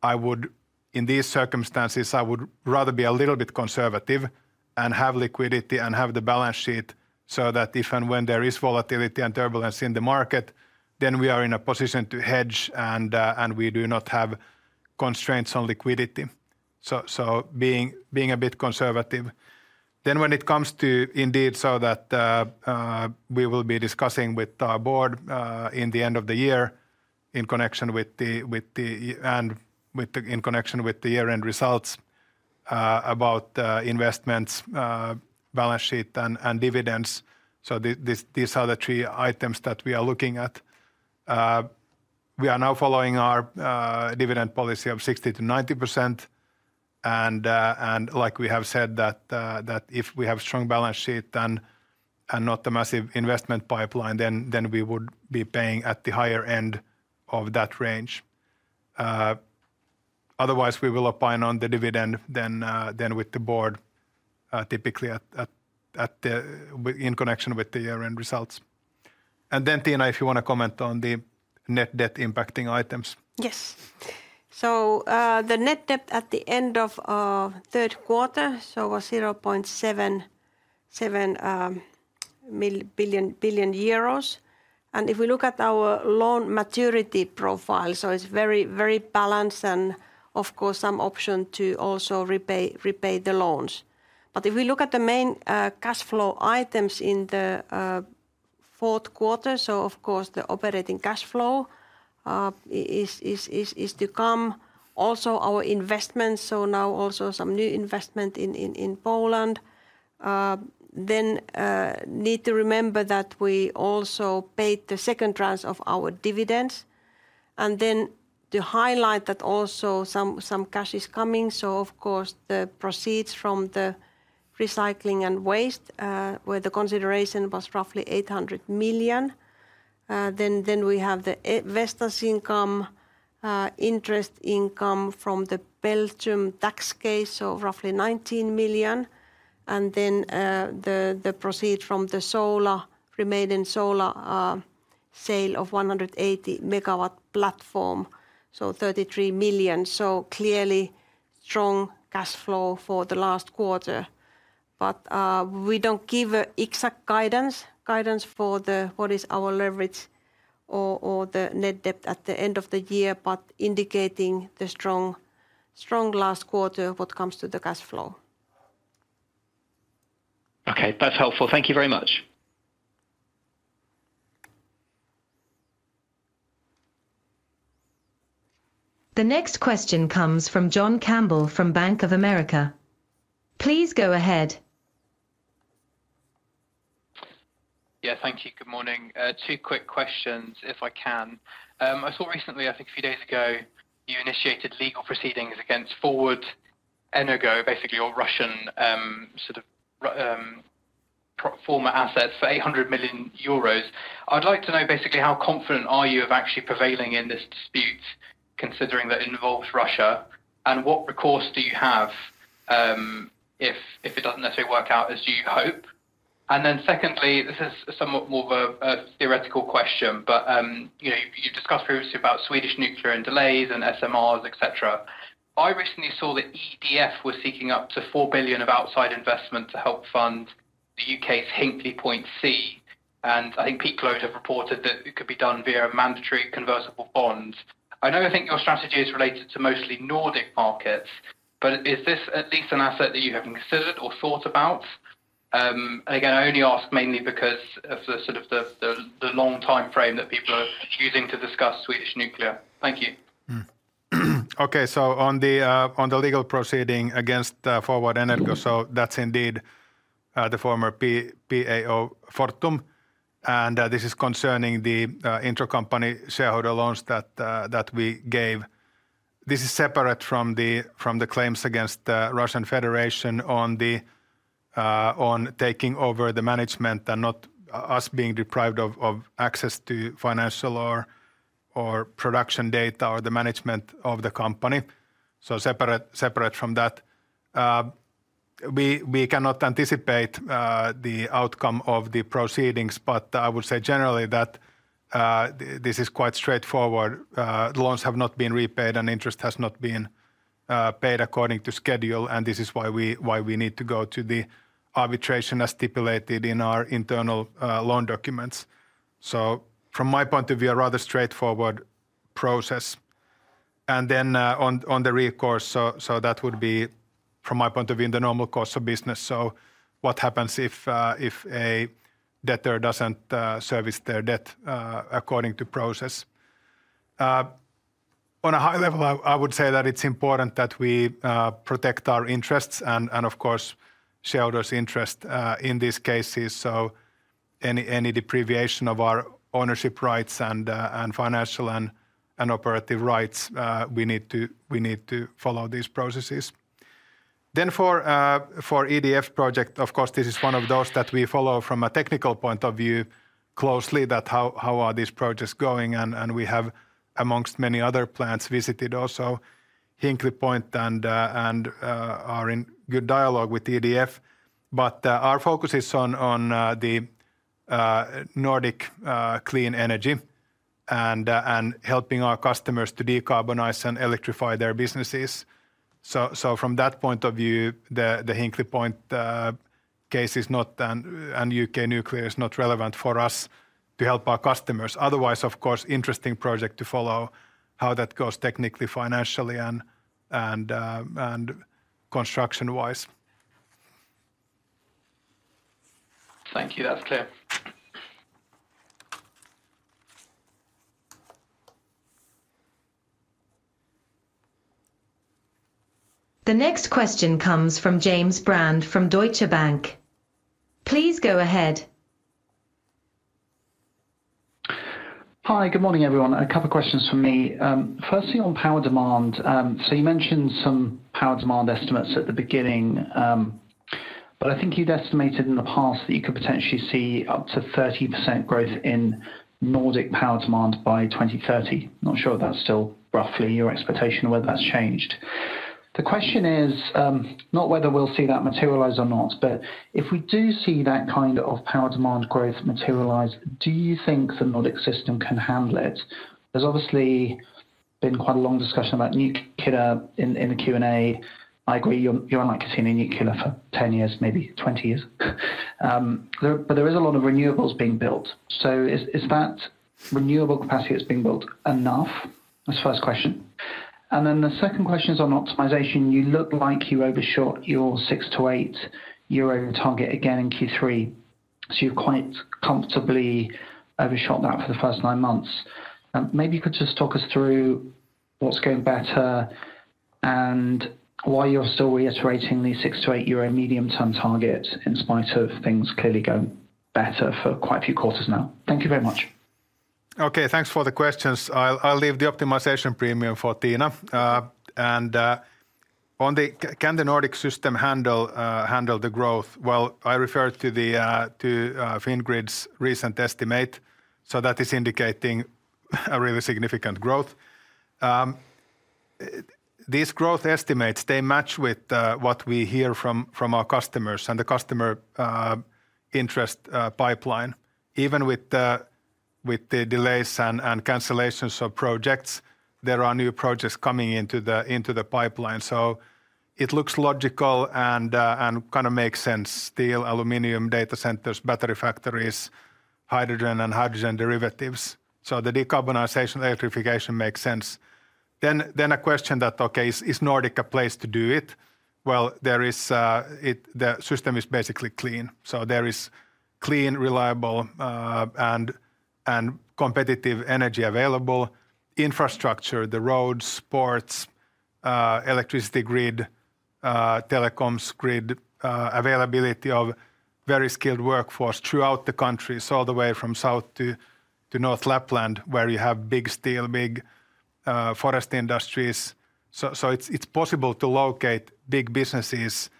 I would In these circumstances, I would rather be a little bit conservative and have liquidity and have the balance sheet, so that if and when there is volatility and turbulence in the market, then we are in a position to hedge, and we do not have constraints on liquidity. So being a bit conservative. Then when it comes to, indeed, we will be discussing with our board in the end of the year, in connection with the year-end results, about investments, balance sheet, and dividends. So these are the three items that we are looking at. We are now following our dividend policy of 60-90%, and like we have said that if we have strong balance sheet then and not a massive investment pipeline then we would be paying at the higher end of that range. Otherwise, we will opine on the dividend then with the board typically in connection with the year-end results, and then Tiina if you want to comment on the net debt impacting items. Yes. So, the net debt at the end of third quarter was 0.77 billion euros. And if we look at our loan maturity profile, so it's very, very balanced and of course some option to also repay the loans. But if we look at the main cash flow items in the fourth quarter, so of course, the operating cash flow is to come. Also, our investments, so now also some new investment in Poland. Then, need to remember that we also paid the second tranche of our dividends. And then to highlight that also some cash is coming, so of course, the proceeds from the recycling and waste, where the consideration was roughly 800 million. Then we have the Vestas income, interest income from the Belgium tax case, so roughly 19 million, and then the proceeds from the remaining solar sale of 180MW platform, so 33 million. So clearly, strong cash flow for the last quarter. But we don't give exact guidance for what is our leverage or the net debt at the end of the year, but indicating the strong last quarter what comes to the cash flow. Okay, that's helpful. Thank you very much. The next question comes from John Campbell from Bank of America. Please go ahead. Yeah, thank you. Good morning. Two quick questions, if I can. I saw recently, I think a few days ago, you initiated legal proceedings against Forward Energo, basically your Russian former assets for 800 million euros. I'd like to know basically, how confident are you of actually prevailing in this dispute, considering that it involves Russia? And what recourse do you have, if it doesn't necessarily work out as you hope? And then secondly, this is somewhat more of a theoretical question, but you know, you've discussed previously about Swedish nuclear and delays and SMRs, et cetera. I recently saw that EDF was seeking up to 4 billion of outside investment to help fund the U.K.'s Hinkley Point C, and I think Peel Hunt have reported that it could be done via a mandatory convertible bond. I know I think your strategy is related to mostly Nordic markets, but is this at least an asset that you have considered or thought about? Again, I only ask mainly because of the sort of the long timeframe that people are choosing to discuss Swedish nuclear. Thank you. Okay, so on the legal proceeding against Forward Energo, so that's indeed the former PAO Fortum, and this is concerning the intercompany shareholder loans that we gave. This is separate from the claims against the Russian Federation on taking over the management and not us being deprived of access to financial or production data or the management of the company. So separate from that. We cannot anticipate the outcome of the proceedings, but I would say generally that this is quite straightforward. Loans have not been repaid and interest has not been paid according to schedule, and this is why we need to go to the arbitration as stipulated in our internal loan documents. So from my point of view, a rather straightforward process. And then on the recourse, so that would be, from my point of view, in the normal course of business. So what happens if a debtor doesn't service their debt according to process? On a high level, I would say that it's important that we protect our interests and of course, shareholders' interest in these cases. So any deprivation of our ownership rights and financial and operative rights we need to follow these processes. Then for EDF project, of course, this is one of those that we follow from a technical point of view closely, that how are these projects going? We have, amongst many other plants, visited also Hinkley Point and are in good dialogue with EDF. Our focus is on the Nordic clean energy and helping our customers to decarbonize and electrify their businesses. From that point of view, the Hinkley Point case is not, and U.K. nuclear is not relevant for us to help our customers. Otherwise, of course, interesting project to follow, how that goes technically, financially, and construction-wise. Thank you. That's clear. The next question comes from James Brand, from Deutsche Bank. Please go ahead. Hi, good morning, everyone. A couple of questions from me. Firstly, on power demand. So you mentioned some power demand estimates at the beginning, but I think you've estimated in the past that you could potentially see up to 30% growth in Nordic power demand by 2030. Not sure if that's still roughly your expectation or whether that's changed. The question is, not whether we'll see that materialize or not, but if we do see that kind of power demand growth materialize, do you think the Nordic system can handle it? There's obviously been quite a long discussion about nuclear in the Q&A. I agree, you're not seeing any nuclear for ten years, maybe twenty years. But there is a lot of renewables being built. So is that renewable capacity that's being built enough? That's the first question. And then the second question is on optimization. You look like you overshot your 6-8 euro target again in Q3, so you've quite comfortably overshot that for the first nine months. Maybe you could just talk us through what's going better and why you're still reiterating the 6-8 euro medium-term target, in spite of things clearly going better for quite a few quarters now. Thank you very much. Okay, thanks for the questions. I'll leave the optimization premium for Tiina. And on the... Can the Nordic system handle the growth? Well, I refer to Fingrid's recent estimate, so that is indicating a really significant growth. These growth estimates, they match with what we hear from our customers and the customer interest pipeline. Even with the delays and cancellations of projects, there are new projects coming into the pipeline. So it looks logical and kinda makes sense: steel, aluminum, data centers, battery factories, hydrogen and hydrogen derivatives. So the decarbonization, electrification makes sense. Then a question that, okay, is Nordic a place to do it? Well, there is the system is basically clean, so there is clean, reliable, and competitive energy available, infrastructure, the roads, ports, electricity grid, telecoms grid, availability of very skilled workforce throughout the country, so all the way from south to North Lapland, where you have big steel, big forest industries. So it's possible to locate big businesses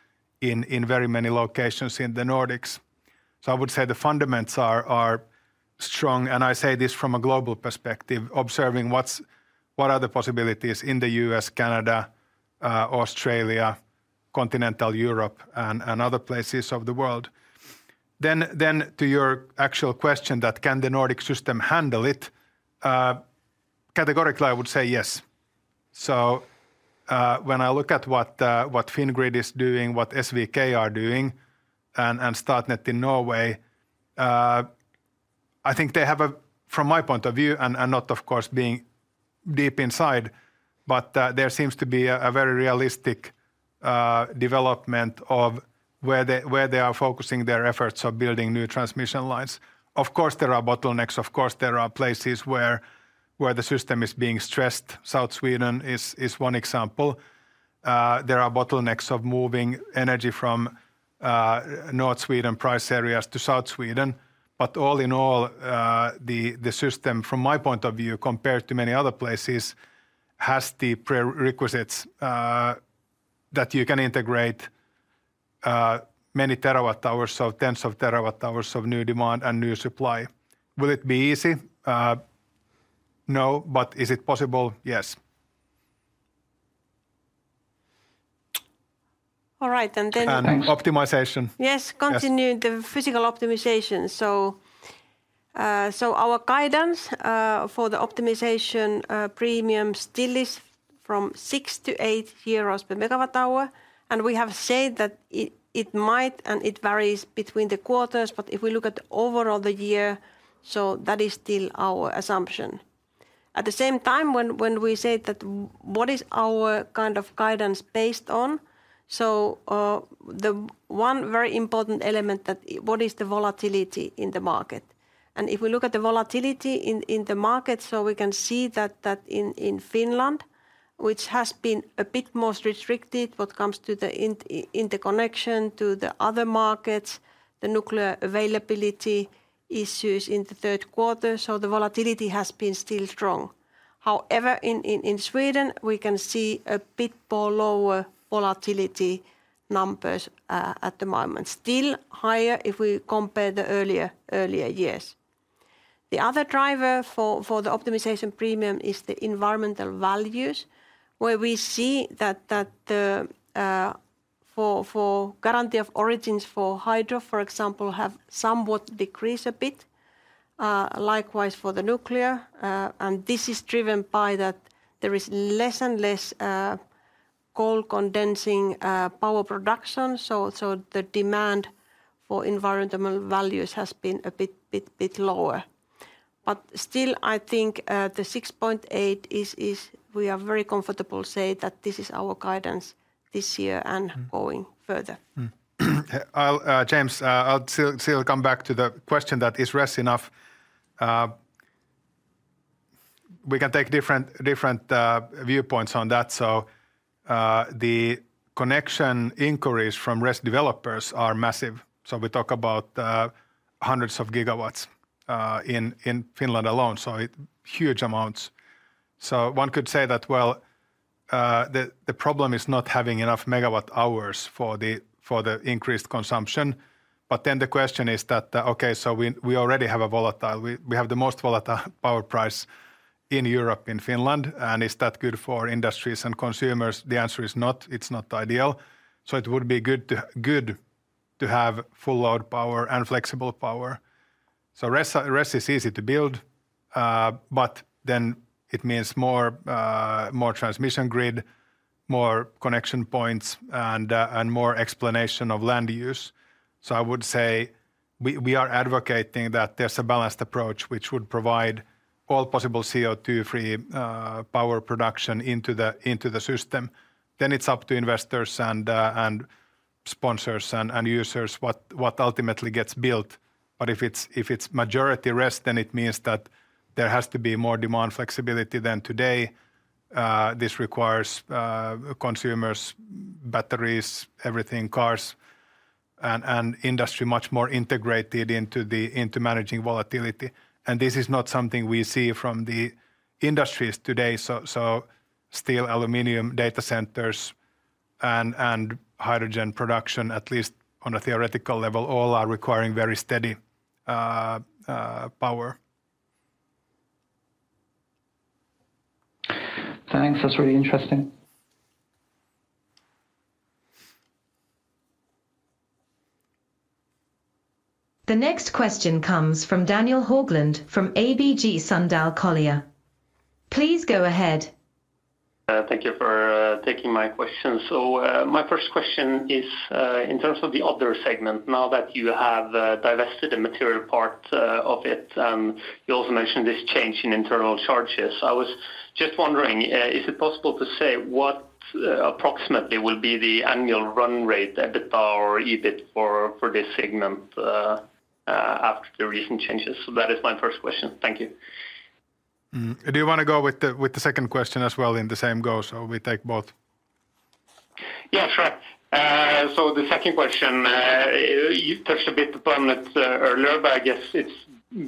in very many locations in the Nordics. So I would say the fundamentals are strong, and I say this from a global perspective, observing what are the possibilities in the U.S., Canada, Australia, continental Europe, and other places of the world. Then, to your actual question that can the Nordic system handle it? Categorically, I would say yes. So, when I look at what Fingrid is doing, what SVK are doing, and Statnett in Norway, I think they have a... From my point of view, and not, of course, being deep inside, but there seems to be a very realistic development of where they are focusing their efforts of building new transmission lines. Of course, there are bottlenecks. Of course, there are places where the system is being stressed. South Sweden is one example. There are bottlenecks of moving energy from north Sweden price areas to south Sweden. But all in all, the system, from my point of view, compared to many other places, has the prerequisites that you can integrate many terawatt hours, so tens of terawatt hours of new demand and new supply. Will it be easy? No, but is it possible? Yes. All right, and then- And optimization. Yes. Yes. Continuing the physical optimization. So, our guidance for the optimization premium still is from EUR 6-8MWh, and we have said that it might, and it varies between the quarters, but if we look at overall the year, so that is still our assumption. At the same time, when we say that what is our kind of guidance based on? So, the one very important element that what is the volatility in the market? And if we look at the volatility in the market, so we can see that in Finland, which has been a bit more restricted when it comes to the connection to the other markets, the nuclear availability issues in the third quarter, so the volatility has been still strong. However, in Sweden, we can see a bit more lower volatility numbers at the moment. Still higher if we compare the earlier years. The other driver for the optimization premium is the environmental values, where we see that for Guarantees of Origin for hydro, for example, have somewhat decreased a bit, likewise for the nuclear, and this is driven by that there is less and less coal condensing power production, so the demand for environmental values has been a bit lower. But still, I think the six point eight is we are very comfortable to say that this is our guidance this year. And going further. I'll, James, I'll still come back to the question that: is RES enough? We can take different viewpoints on that. So, the connection inquiries from RES developers are massive, so we talk about hundreds of gigawatts in Finland alone, so huge amounts. So one could say that the problem is not having enough megawatt hours for the increased consumption. But then the question is that, okay, so we already have a volatile power price. We have the most volatile power price in Europe, in Finland, and is that good for industries and consumers? The answer is not. It's not ideal, so it would be good to have base load power and flexible power. RES is easy to build, but then it means more transmission grid, more connection points, and more explanation of land use. So I would say we are advocating that there's a balanced approach, which would provide all possible CO2-free power production into the system. Then it's up to investors and sponsors and users what ultimately gets built. But if it's majority RES, then it means that there has to be more demand flexibility than today. This requires consumers, batteries, everything, cars, and industry much more integrated into managing volatility, and this is not something we see from the industries today. So steel, aluminum, data centers, and hydrogen production, at least on a theoretical level, all are requiring very steady power. Thanks. That's really interesting. The next question comes from Daniel Haugland, from ABG Sundal Collier. Please go ahead. Thank you for taking my question. So, my first question is, in terms of the other segment, now that you have divested a material part of it, you also mentioned this change in internal charges. I was just wondering, is it possible to say what approximately will be the annual run rate, EBITDA or EBIT for this segment? After the recent changes? So that is my first question. Thank you. Do you want to go with the second question as well in the same go, so we take both? Yeah, sure. So the second question, you touched a bit upon it earlier, but I guess it's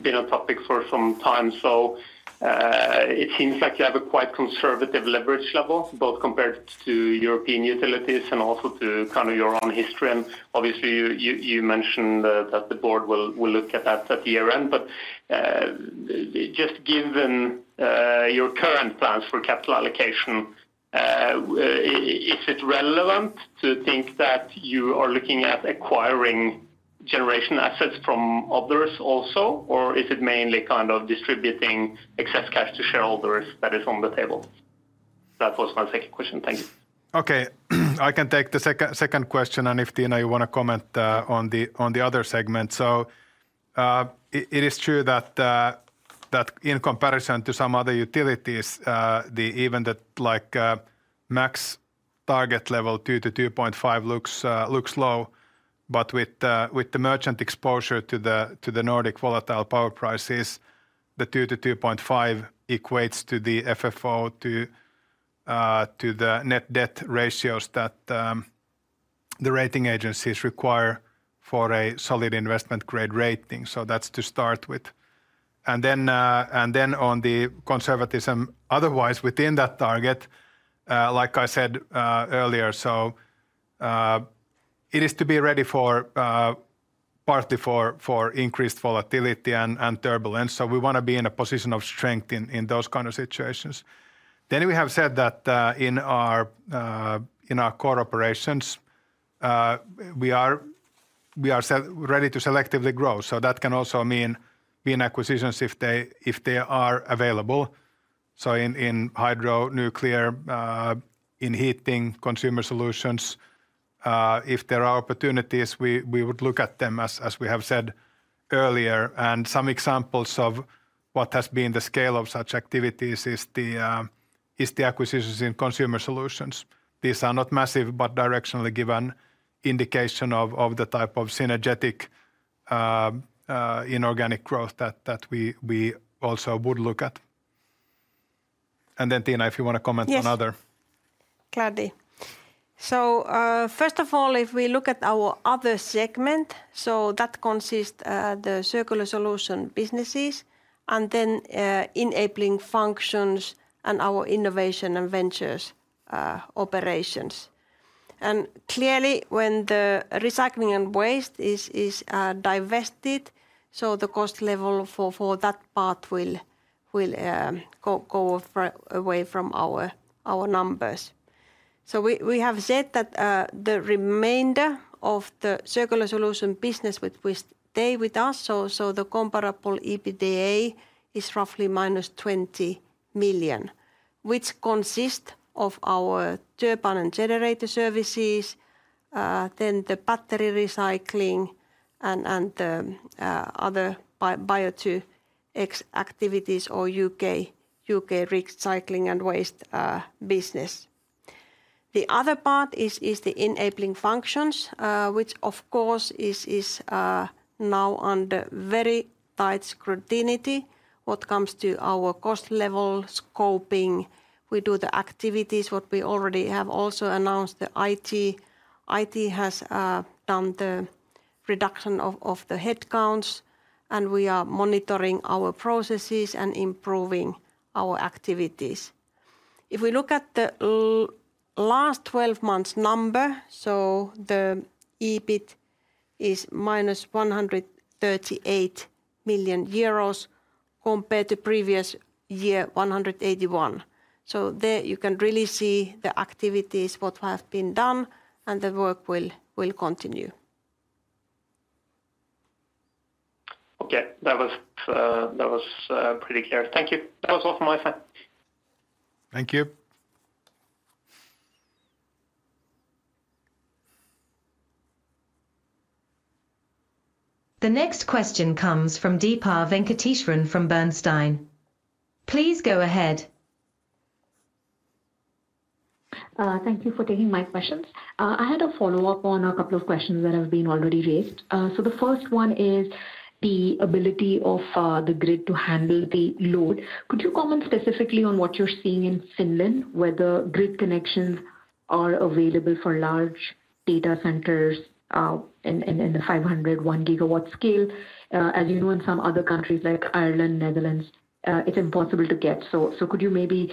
been a topic for some time. So it seems like you have a quite conservative leverage level, both compared to European utilities and also to kind of your own history. And obviously, you mentioned that the board will look at that at the year-end. But just given your current plans for capital allocation, is it relevant to think that you are looking at acquiring generation assets from others also? Or is it mainly kind of distributing excess cash to shareholders that is on the table? That was my second question. Thank you. Okay, I can take the second question, and if Tiina, you want to comment on the other segment. It is true that in comparison to some other utilities, even the, like, max target level 2-2.5 looks low, but with the merchant exposure to the Nordic volatile power prices, the 2-2.5 equates to the FFO to the net debt ratios that the rating agencies require for a solid investment grade rating. That's to start with, and then on the conservatism otherwise within that target, like I said earlier, so it is to be ready for partly for increased volatility and turbulence. So we want to be in a position of strength in those kind of situations. Then we have said that in our core operations we are ready to selectively grow. So that can also mean making acquisitions if they are available. So in hydro, nuclear, in heating, consumer solutions, if there are opportunities, we would look at them as we have said earlier. And some examples of what has been the scale of such activities is the acquisitions in consumer solutions. These are not massive, but directionally give an indication of the type of synergetic inorganic growth that we also would look at. And then, Tiina, if you want to comment on other- Yes. Gladly. So, first of all, if we look at our other segment, so that consists the circular solution businesses and then enabling functions and our innovation and ventures operations. And clearly, when the recycling and waste is divested, so the cost level for that part will go far away from our numbers. So we have said that the remainder of the circular solution business which stay with us, so the comparable EBITDA is roughly minus 20 million, which consists of our turbine and generator services, then the battery recycling and other Bio2X activities, our U.K. recycling and waste business. The other part is the enabling functions, which of course is now under very tight scrutiny when it comes to our cost level, scoping. We do the activities what we already have also announced, the IT. IT has done the reduction of the headcounts, and we are monitoring our processes and improving our activities. If we look at the last twelve months number, so the EBIT is minus 138 million euros compared to previous year, 181. So there you can really see the activities what have been done, and the work will continue. Okay. That was pretty clear. Thank you. That was all from my side. Thank you. The next question comes from Deepa Venkateswaran from Bernstein. Please go ahead. Thank you for taking my questions. I had a follow-up on a couple of questions that have been already raised. So the first one is the ability of the grid to handle the load. Could you comment specifically on what you're seeing in Finland, whether grid connections are available for large data centers in the 501GW scale? As you know, in some other countries, like Ireland, Netherlands, it's impossible to get. Could you maybe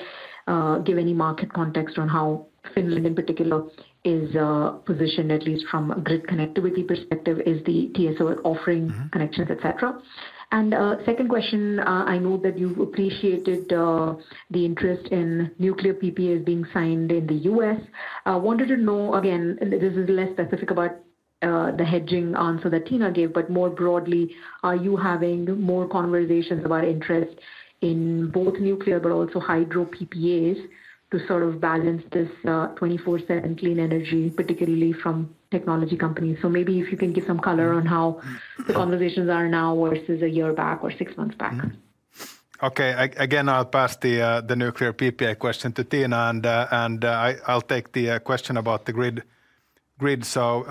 give any market context on how Finland, in particular, is positioned, at least from a grid connectivity perspective? Is the TSO offering, connections, et cetera? And, second question, I know that you've appreciated the interest in nuclear PPAs being signed in the U.S. I wanted to know, again, this is less specific about the hedging answer that Tiina gave, but more broadly, are you having more conversations about interest in both nuclear but also hydro PPAs, to sort of balance this 24/7 clean energy, particularly from technology companies? So maybe if you can give some color on how the conversations are now versus a year back or six months back. Okay, again, I'll pass the nuclear PPA question to Tiina, and I'll take the question about the grid. So,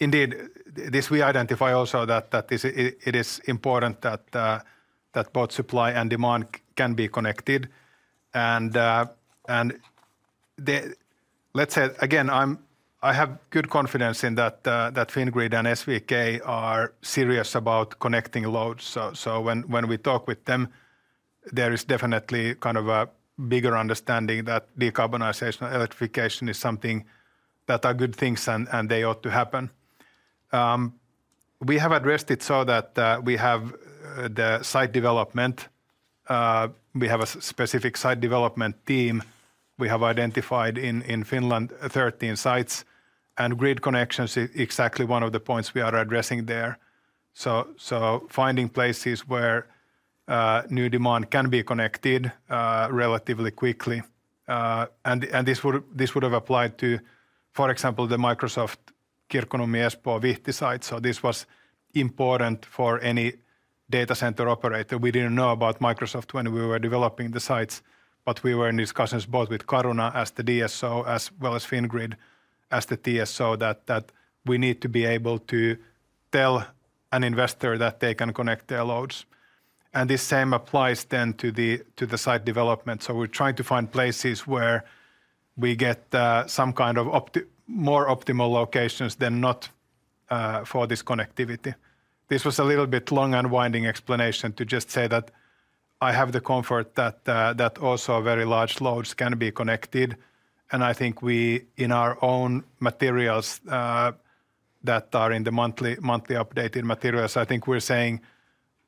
indeed, this we identify also that this it is important that both supply and demand can be connected. Let's say again, I have good confidence in that Fingrid and SVK are serious about connecting loads. So, when we talk with them, there is definitely kind of a bigger understanding that decarbonization and electrification is something that are good things, and they ought to happen. We have addressed it so that we have the site development, we have a specific site development team. We have identified in Finland 13 sites, and grid connections is exactly one of the points we are addressing there. Finding places where new demand can be connected relatively quickly, and this would have applied to, for example, the Microsoft Kirkkonummi, Espoo, Vihti site. This was important for any data center operator. We didn't know about Microsoft when we were developing the sites, but we were in discussions both with Caruna as the DSO, as well as Fingrid, as the TSO, that we need to be able to tell an investor that they can connect their loads, and the same applies then to the site development. We're trying to find places where we get some kind of more optimal locations than not for this connectivity. This was a little bit long and winding explanation to just say that I have the comfort that also very large loads can be connected, and I think we, in our own materials, that are in the monthly updated materials, I think we're saying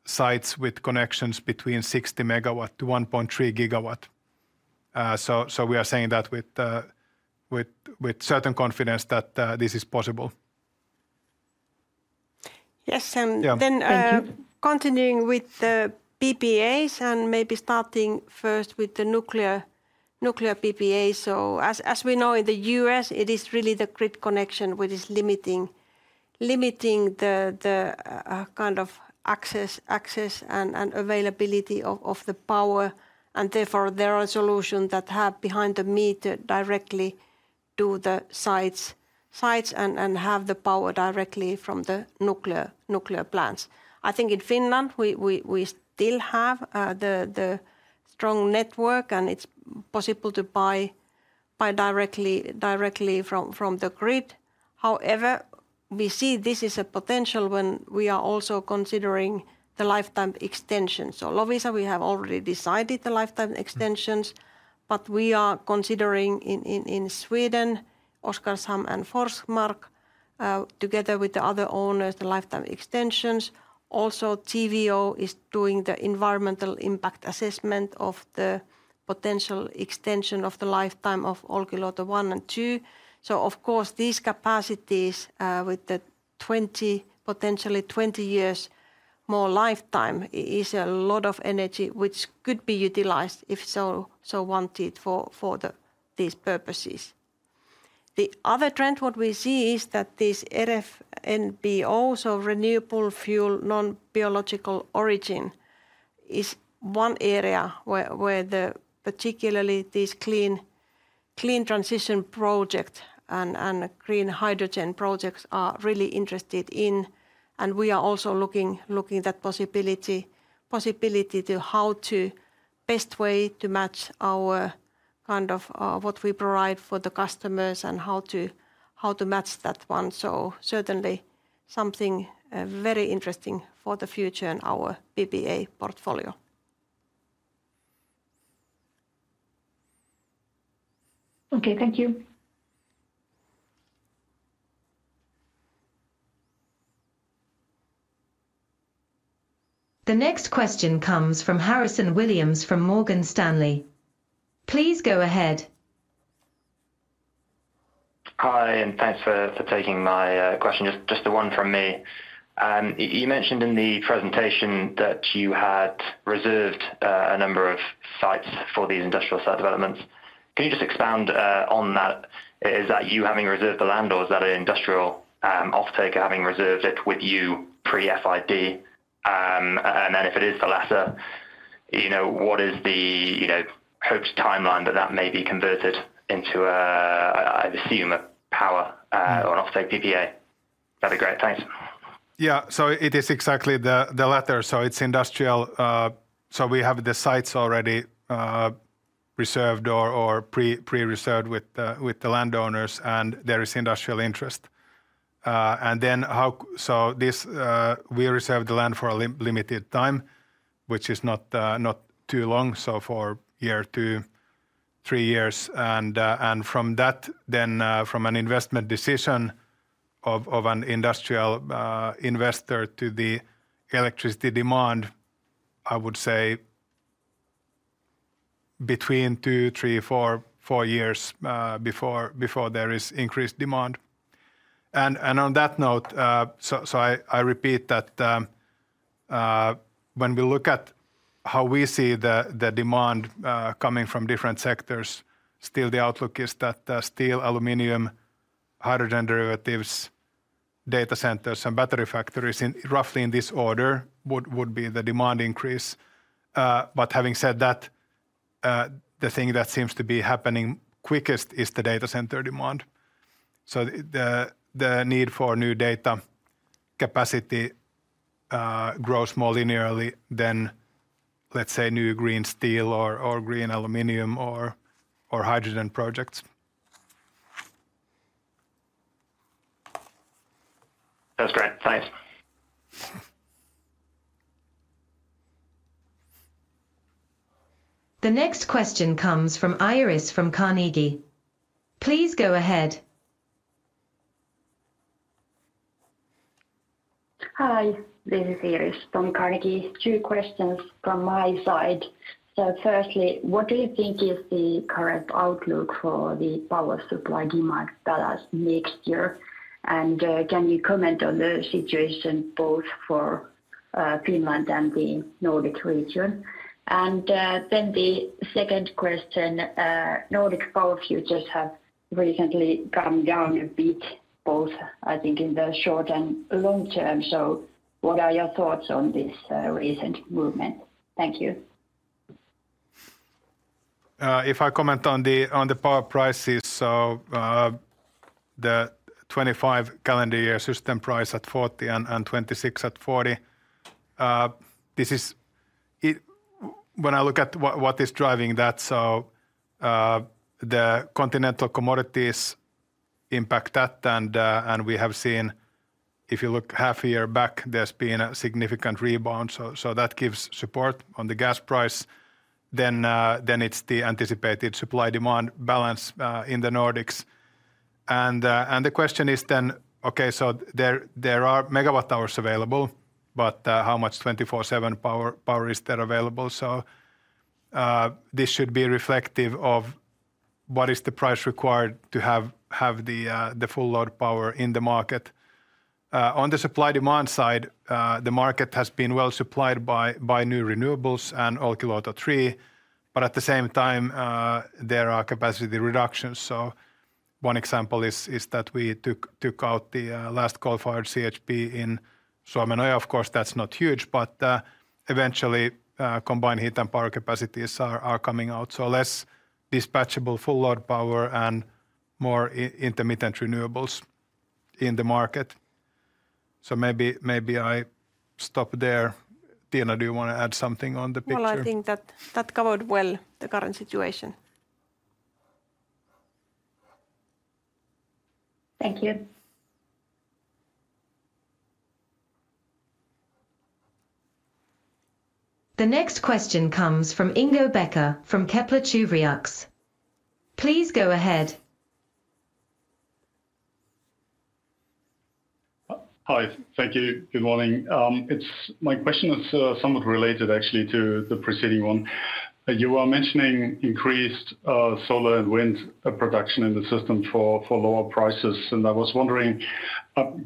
sites with connections between 60MW to 1.3GW. So we are saying that with certain confidence that this is possible. Yes, and Then, uh- continuing with the PPAs, and maybe starting first with the nuclear PPA. As we know, in the U.S., it is really the grid connection which is limiting the kind of access and availability of the power, and therefore there are solutions that have behind the meter directly to the sites and have the power directly from the nuclear plants. I think in Finland we still have the strong network, and it's possible to buy directly from the grid. However, we see this is a potential when we are also considering the lifetime extension. So Loviisa, we have already decided the lifetime extensions, but we are considering in Sweden, Oskarshamn and Forsmark together with the other owners, the lifetime extensions. Also, TVO is doing the environmental impact assessment of the potential extension of the lifetime of Olkiluoto 1 and 2. So of course, these capacities with the twenty, potentially 20 years more lifetime, is a lot of energy which could be utilized, if so wanted, for these purposes. The other trend, what we see, is that this RFNBO, so renewable fuel, non-biological origin, is one area where the particularly these clean transition project and green hydrogen projects are really interested in, and we are also looking that possibility to how to best way to match our, kind of, what we provide for the customers and how to match that one. So certainly, something very interesting for the future in our PPA portfolio. Okay, thank you. The next question comes from Harrison Williams, from Morgan Stanley. Please go ahead. Hi, and thanks for taking my question. Just the one from me. You mentioned in the presentation that you had reserved a number of sites for these industrial site developments. Can you just expand on that? Is that you having reserved the land, or is that an industrial offtake having reserved it with you pre-FID? And then, if it is the latter, you know, what is the hoped timeline that that may be converted into I'd assume a power or an offtake PPA? That'd be great. Thanks. Yeah. So it is exactly the latter. So it's industrial. So we have the sites already reserved or pre-reserved with the landowners, and there is industrial interest. And then. So this, we reserve the land for a limited time, which is not too long, so for one year to three years, and from that, then, from an investment decision of an industrial investor to the electricity demand, I would say between two, three, four years before there is increased demand. And on that note, so I repeat that, when we look at how we see the demand coming from different sectors, still the outlook is that steel, aluminum, hydrogen derivatives, data centers and battery factories in, roughly in this order, would be the demand increase. But having said that, the thing that seems to be happening quickest is the data center demand. So the need for new data capacity grows more linearly than, let's say, new green steel or green aluminum or hydrogen projects. That's great. Thanks. The next question comes from Iris from Carnegie. Please go ahead. Hi, this is Iris from Carnegie. Two questions from my side. So firstly, what do you think is the current outlook for the power supply demand balance next year? And, can you comment on the situation both for, Finland and the Nordic region? And, then the second question, Nordic power futures have recently come down a bit, both, I think, in the short and long term. So what are your thoughts on this, recent movement? Thank you. If I comment on the power prices, so the 2025 calendar year system price at 40 and 2026 at 40, this is. When I look at what is driving that, so the continental commodities impact that, and we have seen, if you look half a year back, there's been a significant rebound. So that gives support on the gas price. Then it's the anticipated supply-demand balance in the Nordics. And the question is then, okay, so there are megawatt hours available, but how much 24/7 power is there available? So this should be reflective of what is the price required to have the full load power in the market. On the supply-demand side, the market has been well supplied by new renewables and Olkiluoto 3, but at the same time, there are capacity reductions. So one example is that we took out the last coal-fired CHP in Suomenoja. Of course, that's not huge, but eventually, combined heat and power capacities are coming out. So less dispatchable full load power and more intermittent renewables in the market. So maybe I stop there. Tiina, do you wanna add something on the picture? I think that covered well the current situation. Thank you. The next question comes from Ingo Becker, from Kepler Cheuvreux. Please go ahead. Hi. Thank you. Good morning. My question is somewhat related actually to the preceding one. You were mentioning increased solar and wind production in the system for lower prices. And I was wondering,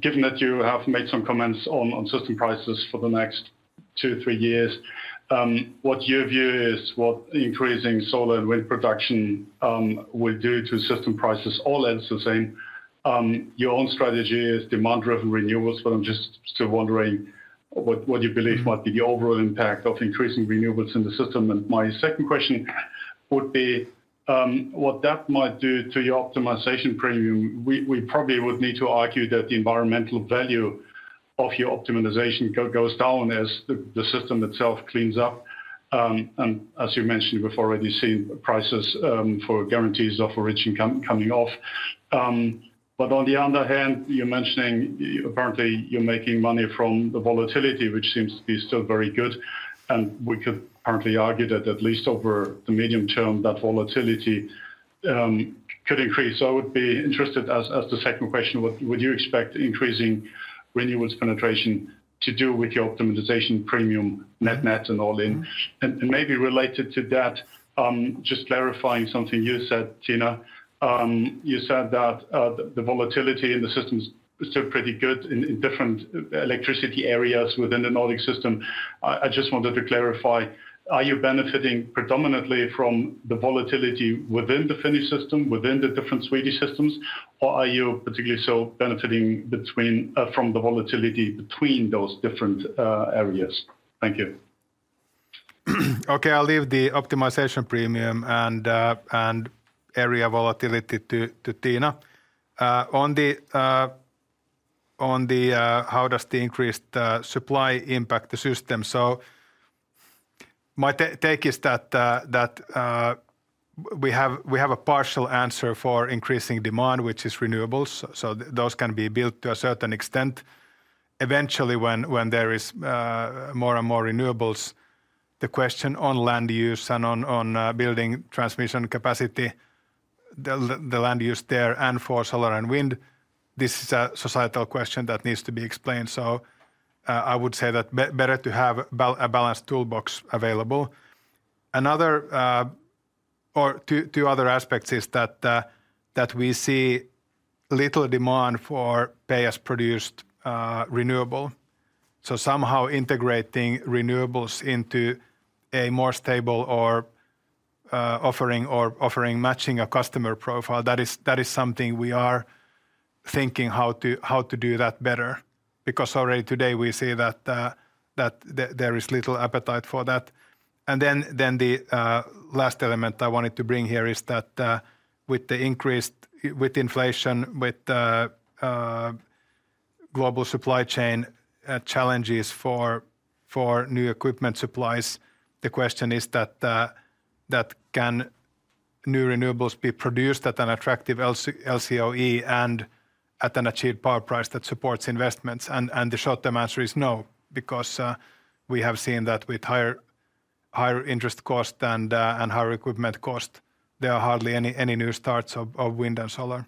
given that you have made some comments on system prices for the next two, three years, what your view is, what increasing solar and wind production will do to system prices all else the same? Your own strategy is demand-driven renewables, but I'm just still wondering what you believe might be the overall impact of increasing renewables in the system. And my second question would be, what that might do to your optimization premium. We probably would need to argue that the environmental value of your optimization goes down as the system itself cleans up. And as you mentioned, we've already seen prices for guarantees of origin coming off. But on the other hand, you're mentioning apparently you're making money from the volatility, which seems to be still very good. And we could apparently argue that at least over the medium term, that volatility could increase. So I would be interested, as the second question, what would you expect increasing renewables penetration to do with your optimization premium net-net and all-in? And maybe related to that, just clarifying something you said, Tiina. You said that the volatility in the system is still pretty good in different electricity areas within the Nordic system. I just wanted to clarify: Are you benefiting predominantly from the volatility within the Finnish system, within the different Swedish systems, or are you particularly so benefiting between, from the volatility between those different, areas? Thank you. Okay, I'll leave the optimization premium and area volatility to Tiina. On the how does the increased supply impact the system? So my take is that we have a partial answer for increasing demand, which is renewables, so those can be built to a certain extent. Eventually, when there is more and more renewables, the question on land use and on building transmission capacity, the land use there, and for solar and wind, this is a societal question that needs to be explained. So I would say that better to have a balanced toolbox available. Another or two other aspects is that we see little demand for pay-as-produced renewable. So somehow integrating renewables into a more stable or offering matching a customer profile, that is something we are thinking how to do that better. Because already today we see that there is little appetite for that. And then the last element I wanted to bring here is that with the increased... With inflation, with the global supply chain challenges for new equipment supplies, the question is that can new renewables be produced at an attractive LCOE and at an achieved power price that supports investments? And the short-term answer is no, because we have seen that with higher interest cost and higher equipment cost, there are hardly any new starts of wind and solar.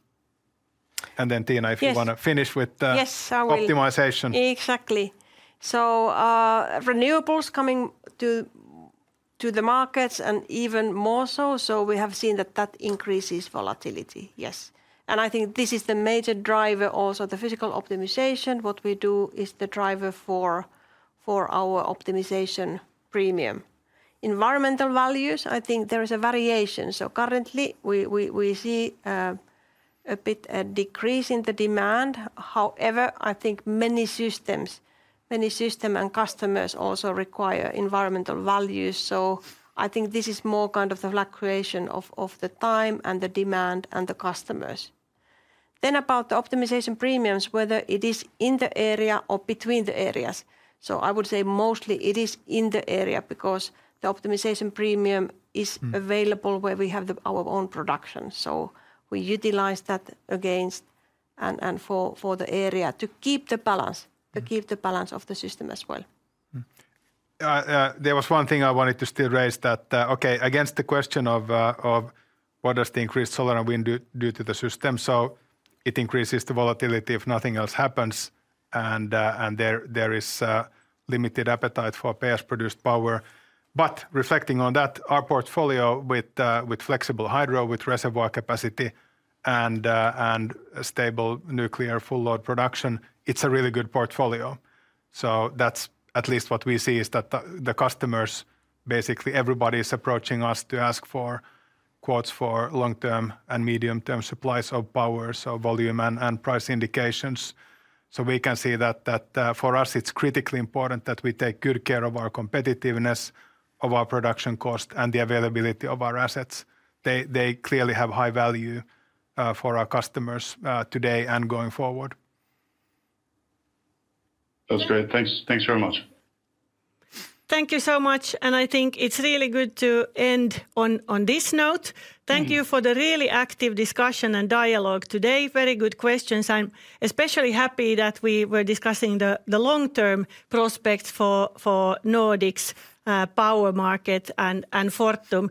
And then, Tiina- Yes. If you wanna finish with the- Yes, I will.... optimization. Exactly. So, renewables coming to the markets and even more so, so we have seen that increases volatility. Yes. And I think this is the major driver, also the physical optimization, what we do is the driver for our optimization premium. Environmental values, I think there is a variation. So currently, we see a bit of a decrease in the demand. However, I think many systems and customers also require environmental values, so I think this is more kind of the fluctuation of the time and the demand and the customers. Then about the optimization premiums, whether it is in the area or between the areas. So I would say mostly it is in the area, because the optimization premium is available where we have our own production. So we utilize that against and for the area to keep the balance, to keep the balance of the system as well. There was one thing I wanted to still raise that. Okay, against the question of what does the increased solar and wind do to the system? So it increases the volatility if nothing else happens, and there is limited appetite for PS-produced power. But reflecting on that, our portfolio with flexible hydro, with reservoir capacity, and a stable nuclear full load production, it's a really good portfolio. So that's at least what we see, is that the customers, basically everybody is approaching us to ask for quotes for long-term and medium-term supplies of power, so volume and price indications. So we can see that for us, it's critically important that we take good care of our competitiveness, of our production cost, and the availability of our assets. They clearly have high value for our customers today and going forward. That's great. Thanks. Thanks very much. Thank you so much, and I think it's really good to end on this note. Thank you for the really active discussion and dialogue today. Very good questions. I'm especially happy that we were discussing the long-term prospects for Nordics power market and Fortum.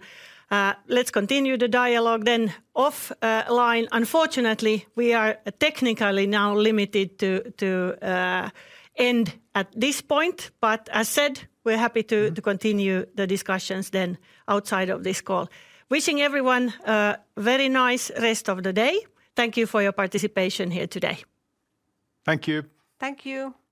Let's continue the dialogue then off line. Unfortunately, we are technically now limited to end at this point, but as said, we're happy to- to continue the discussions then outside of this call. Wishing everyone a very nice rest of the day. Thank you for your participation here today. Thank you. Thank you!